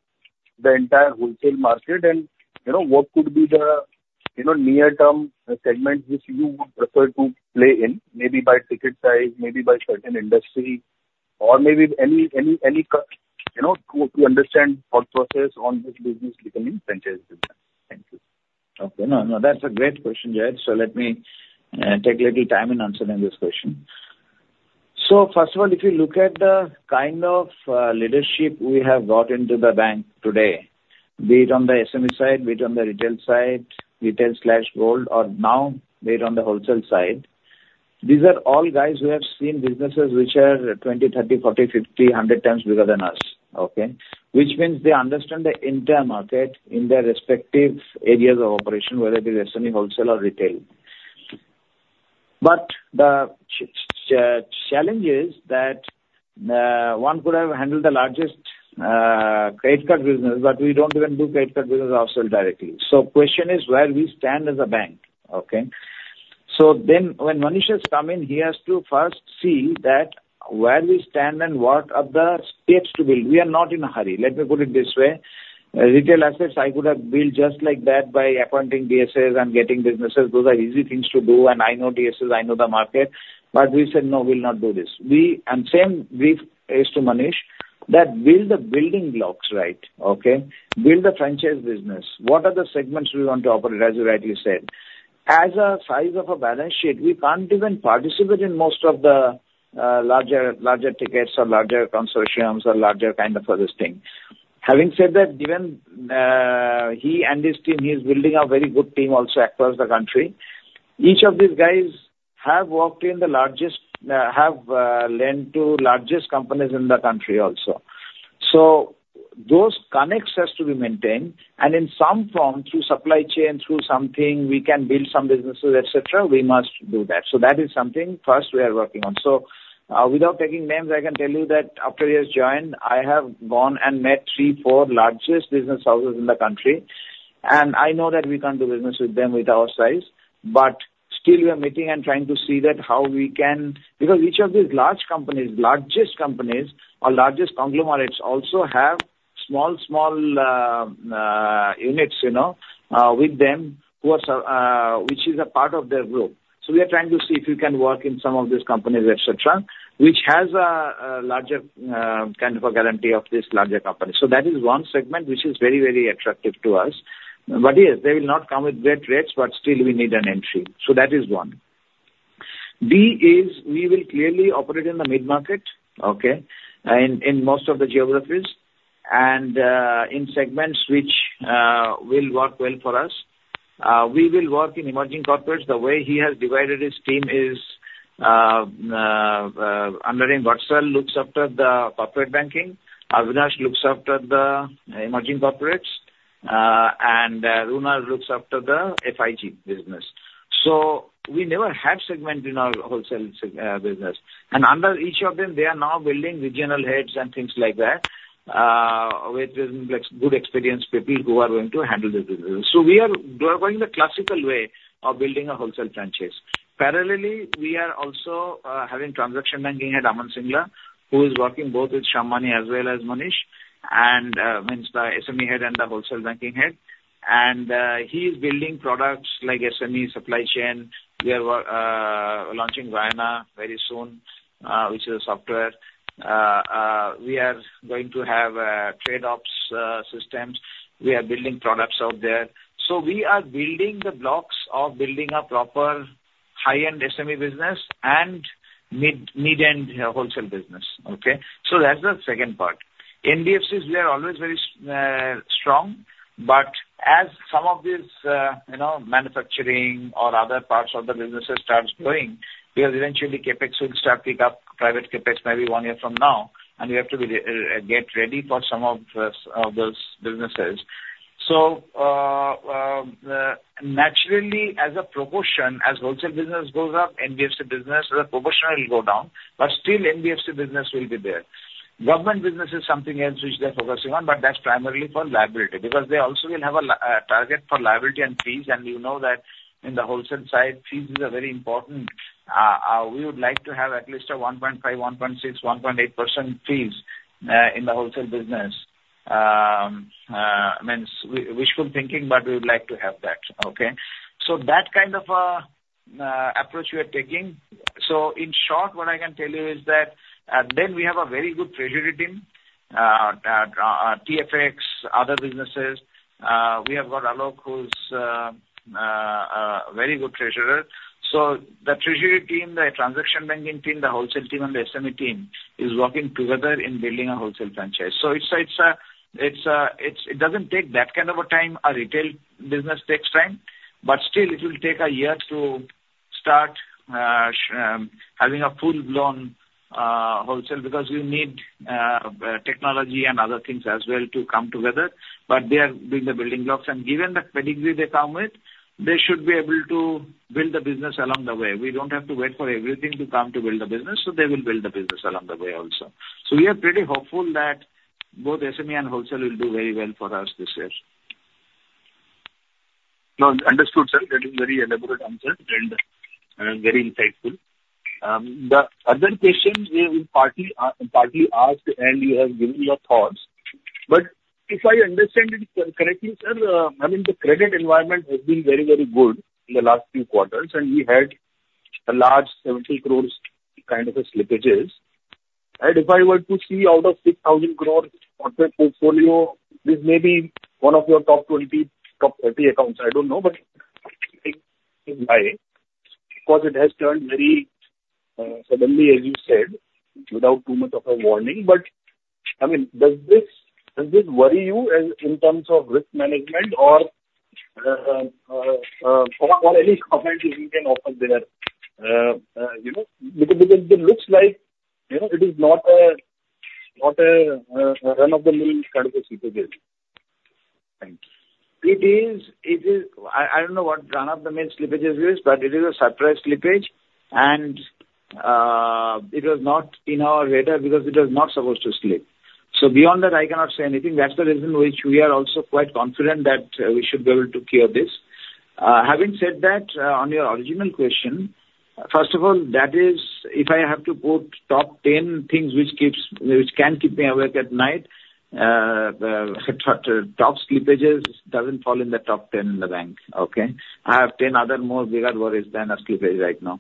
I: the entire wholesale market? And, you know, what could be the, you know, near-term segment which you would prefer to play in? Maybe by ticket size, maybe by certain industry, or maybe any, you know, to understand thought process on this business becoming franchise business. Thank you.
C: Okay. No, no, that's a great question, Jay. So let me take a little time in answering this question. So first of all, if you look at the kind of leadership we have brought into the bank today, be it on the SME side, be it on the retail side, retail/gold, or now be it on the wholesale side, these are all guys who have seen businesses which are 20, 30, 40, 50, 100 times bigger than us. Okay? Which means they understand the entire market in their respective areas of operation, whether it is SME, wholesale or retail. But the challenge is that one could have handled the largest credit card business, but we don't even do credit card business ourselves directly. So question is where we stand as a bank, okay? So then when Manish has come in, he has to first see that where we stand and what are the steps to build. We are not in a hurry. Let me put it this way. Retail assets, I could have built just like that by appointing DSAs and getting businesses. Those are easy things to do, and I know DSAs, I know the market, but we said, "No, we'll not do this." And same brief is to Manish, that build the building blocks right, okay? Build the franchise business. What are the segments we want to operate, as you rightly said. As a size of a balance sheet, we can't even participate in most of the larger, larger tickets or larger consortiums or larger kind of other thing. Having said that, given he and his team, he's building a very good team also across the country. Each of these guys have worked in the largest, have lent to largest companies in the country also. So those connections has to be maintained, and in some form, through supply chain, through something, we can build some businesses, et cetera, we must do that. So that is something first we are working on. So, without taking names, I can tell you that after he has joined, I have gone and met 3 or 4 largest business houses in the country, and I know that we can't do business with them with our size, but still we are meeting and trying to see that how we can. Because each of these large companies, largest companies or largest conglomerates also have small, small, units, you know, with them, who are, which is a part of their group. So we are trying to see if we can work in some of these companies, et cetera, which has a larger kind of a guarantee of this larger company. So that is one segment which is very, very attractive to us. But yes, they will not come with great rates, but still we need an entry. So that is one. B is we will clearly operate in the mid-market, okay? In most of the geographies and in segments which will work well for us. We will work in emerging corporates. The way he has divided his team is and Vatsal looks after the corporate banking, Avinash looks after the emerging corporates, and Mrunal looks after the FIG business. So we never had segment in our wholesale seg- business. Under each of them, they are now building regional heads and things like that with good experienced people who are going to handle the business. So we are going the classical way of building a wholesale franchise. Parallelly, we are also having transaction banking head, Aman Singla, who is working both with Shyam Mani as well as Manish, and means the SME head and the wholesale banking head. And he is building products like SME supply chain. We are launching Vayana very soon, which is a software. We are going to have Trade Ops systems. We are building products out there. So we are building the blocks of building a proper high-end SME business and mid, mid-end wholesale business, okay? So that's the second part. NBFCs, we are always very strong, but as some of these, you know, manufacturing or other parts of the businesses starts growing, we are eventually CapEx will start pick up, private CapEx, maybe one year from now, and we have to be get ready for some of this those businesses. So naturally, as a proportion, as wholesale business goes up, NBFC business as a proportion will go down, but still NBFC business will be there. Government business is something else which they're focusing on, but that's primarily for liability, because they also will have a target for liability and fees, and you know that in the wholesale side, fees is a very important. We would like to have at least a 1.5%, 1.6%, 1.8% fees in the wholesale business. Means wishful thinking, but we would like to have that. Okay? So that kind of approach we are taking. So in short, what I can tell you is that, then we have a very good treasury team, TFX, other businesses. We have got Alok, who's a very good treasurer. So the treasury team, the transaction banking team, the wholesale team, and the SME team is working together in building a wholesale franchise. So it's, it doesn't take that kind of a time, a retail business takes time, but still it will take a year to start having a full-blown wholesale, because you need technology and other things as well to come together, but they are doing the building blocks. Given the pedigree they come with, they should be able to build the business along the way. We don't have to wait for everything to come to build the business, so they will build the business along the way also. We are pretty hopeful that both SME and wholesale will do very well for us this year.
I: No, understood, sir. That is very elaborate answer and, very insightful. The other question we will partly, partly asked, and you have given your thoughts, but if I understand it correctly, sir, I mean, the credit environment has been very, very good in the last few quarters, and we had a large 70 crore kind of a slippages. And if I were to see out of 6,000 crore contract portfolio, this may be one of your top 20, top 30 accounts. I don't know, but because it has turned very, suddenly, as you said, without too much of a warning. But, I mean, does this, does this worry you in, in terms of risk management or, or any comment you can offer there? You know, because it looks like, you know, it is not a run-of-the-mill kind of a slippages. Thank you.
C: I don't know what run-of-the-mill slippages is, but it is a surprise slippage, and it was not in our radar because it was not supposed to slip. So beyond that, I cannot say anything. That's the reason which we are also quite confident that we should be able to clear this. Having said that, on your original question, first of all, that is, if I have to put top 10 things which can keep me awake at night, top slippages doesn't fall in the top 10 in the bank, okay? I have 10 other more bigger worries than a slippage right now.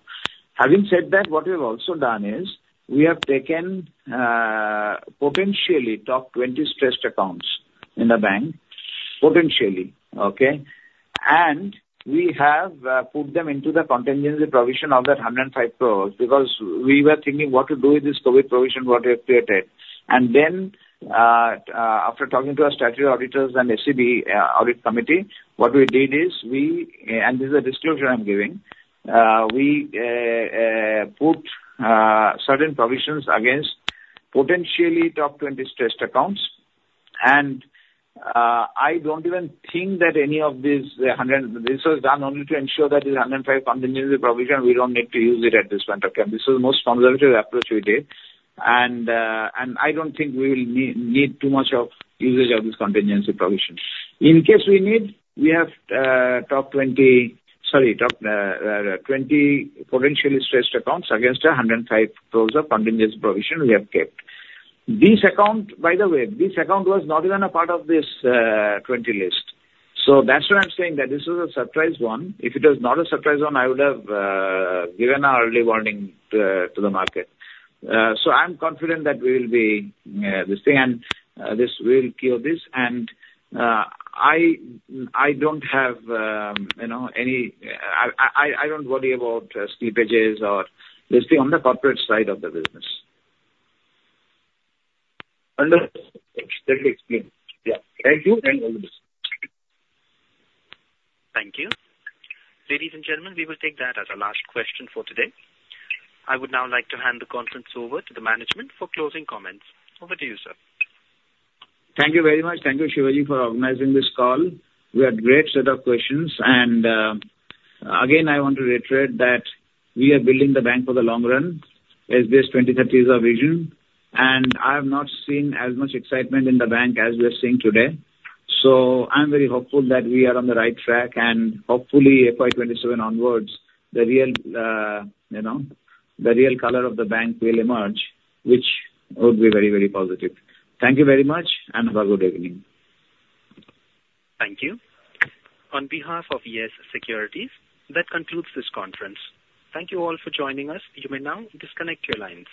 C: Having said that, what we've also done is, we have taken potentially top 20 stressed accounts in the bank, potentially, okay? We have put them into the contingency provision of that 105 crore, because we were thinking what to do with this COVID provision what we have created. Then, after talking to our statutory auditors and ACB, audit committee, what we did is we and this is a disclosure I'm giving, we put certain provisions against potentially top 20 stressed accounts. And, I don't even think that any of these hundred. This was done only to ensure that this 105 crore contingency provision, we don't need to use it at this point of time. This is the most conservative approach we did, and I don't think we will need too much of usage of this contingency provision. In case we need, we have top 20, sorry, top 20 potentially stressed accounts against 105 crore of contingency provision we have kept. This account, by the way, this account was not even a part of this 20 list. So that's why I'm saying that this was a surprise one. If it was not a surprise one, I would have given an early warning to the market. So I'm confident that we will be this thing, and this will cure this. And I don't have, you know, any, I don't worry about slippages or this thing on the corporate side of the business.
I: Understood. Thank you, again. Yeah. Thank you, and all the best.
A: Thank you. Ladies and gentlemen, we will take that as our last question for today. I would now like to hand the conference over to the management for closing comments. Over to you, sir.
C: Thank you very much. Thank you, Shivaji, for organizing this call. We had great set of questions, and, again, I want to reiterate that we are building the bank for the long run, as this 2030 is our vision. And I have not seen as much excitement in the bank as we are seeing today. So I'm very hopeful that we are on the right track, and hopefully, FY 2027 onwards, the real, you know, the real color of the bank will emerge, which would be very, very positive. Thank you very much, and have a good evening.
A: Thank you. On behalf of Yes Securities, that concludes this conference. Thank you all for joining us. You may now disconnect your lines.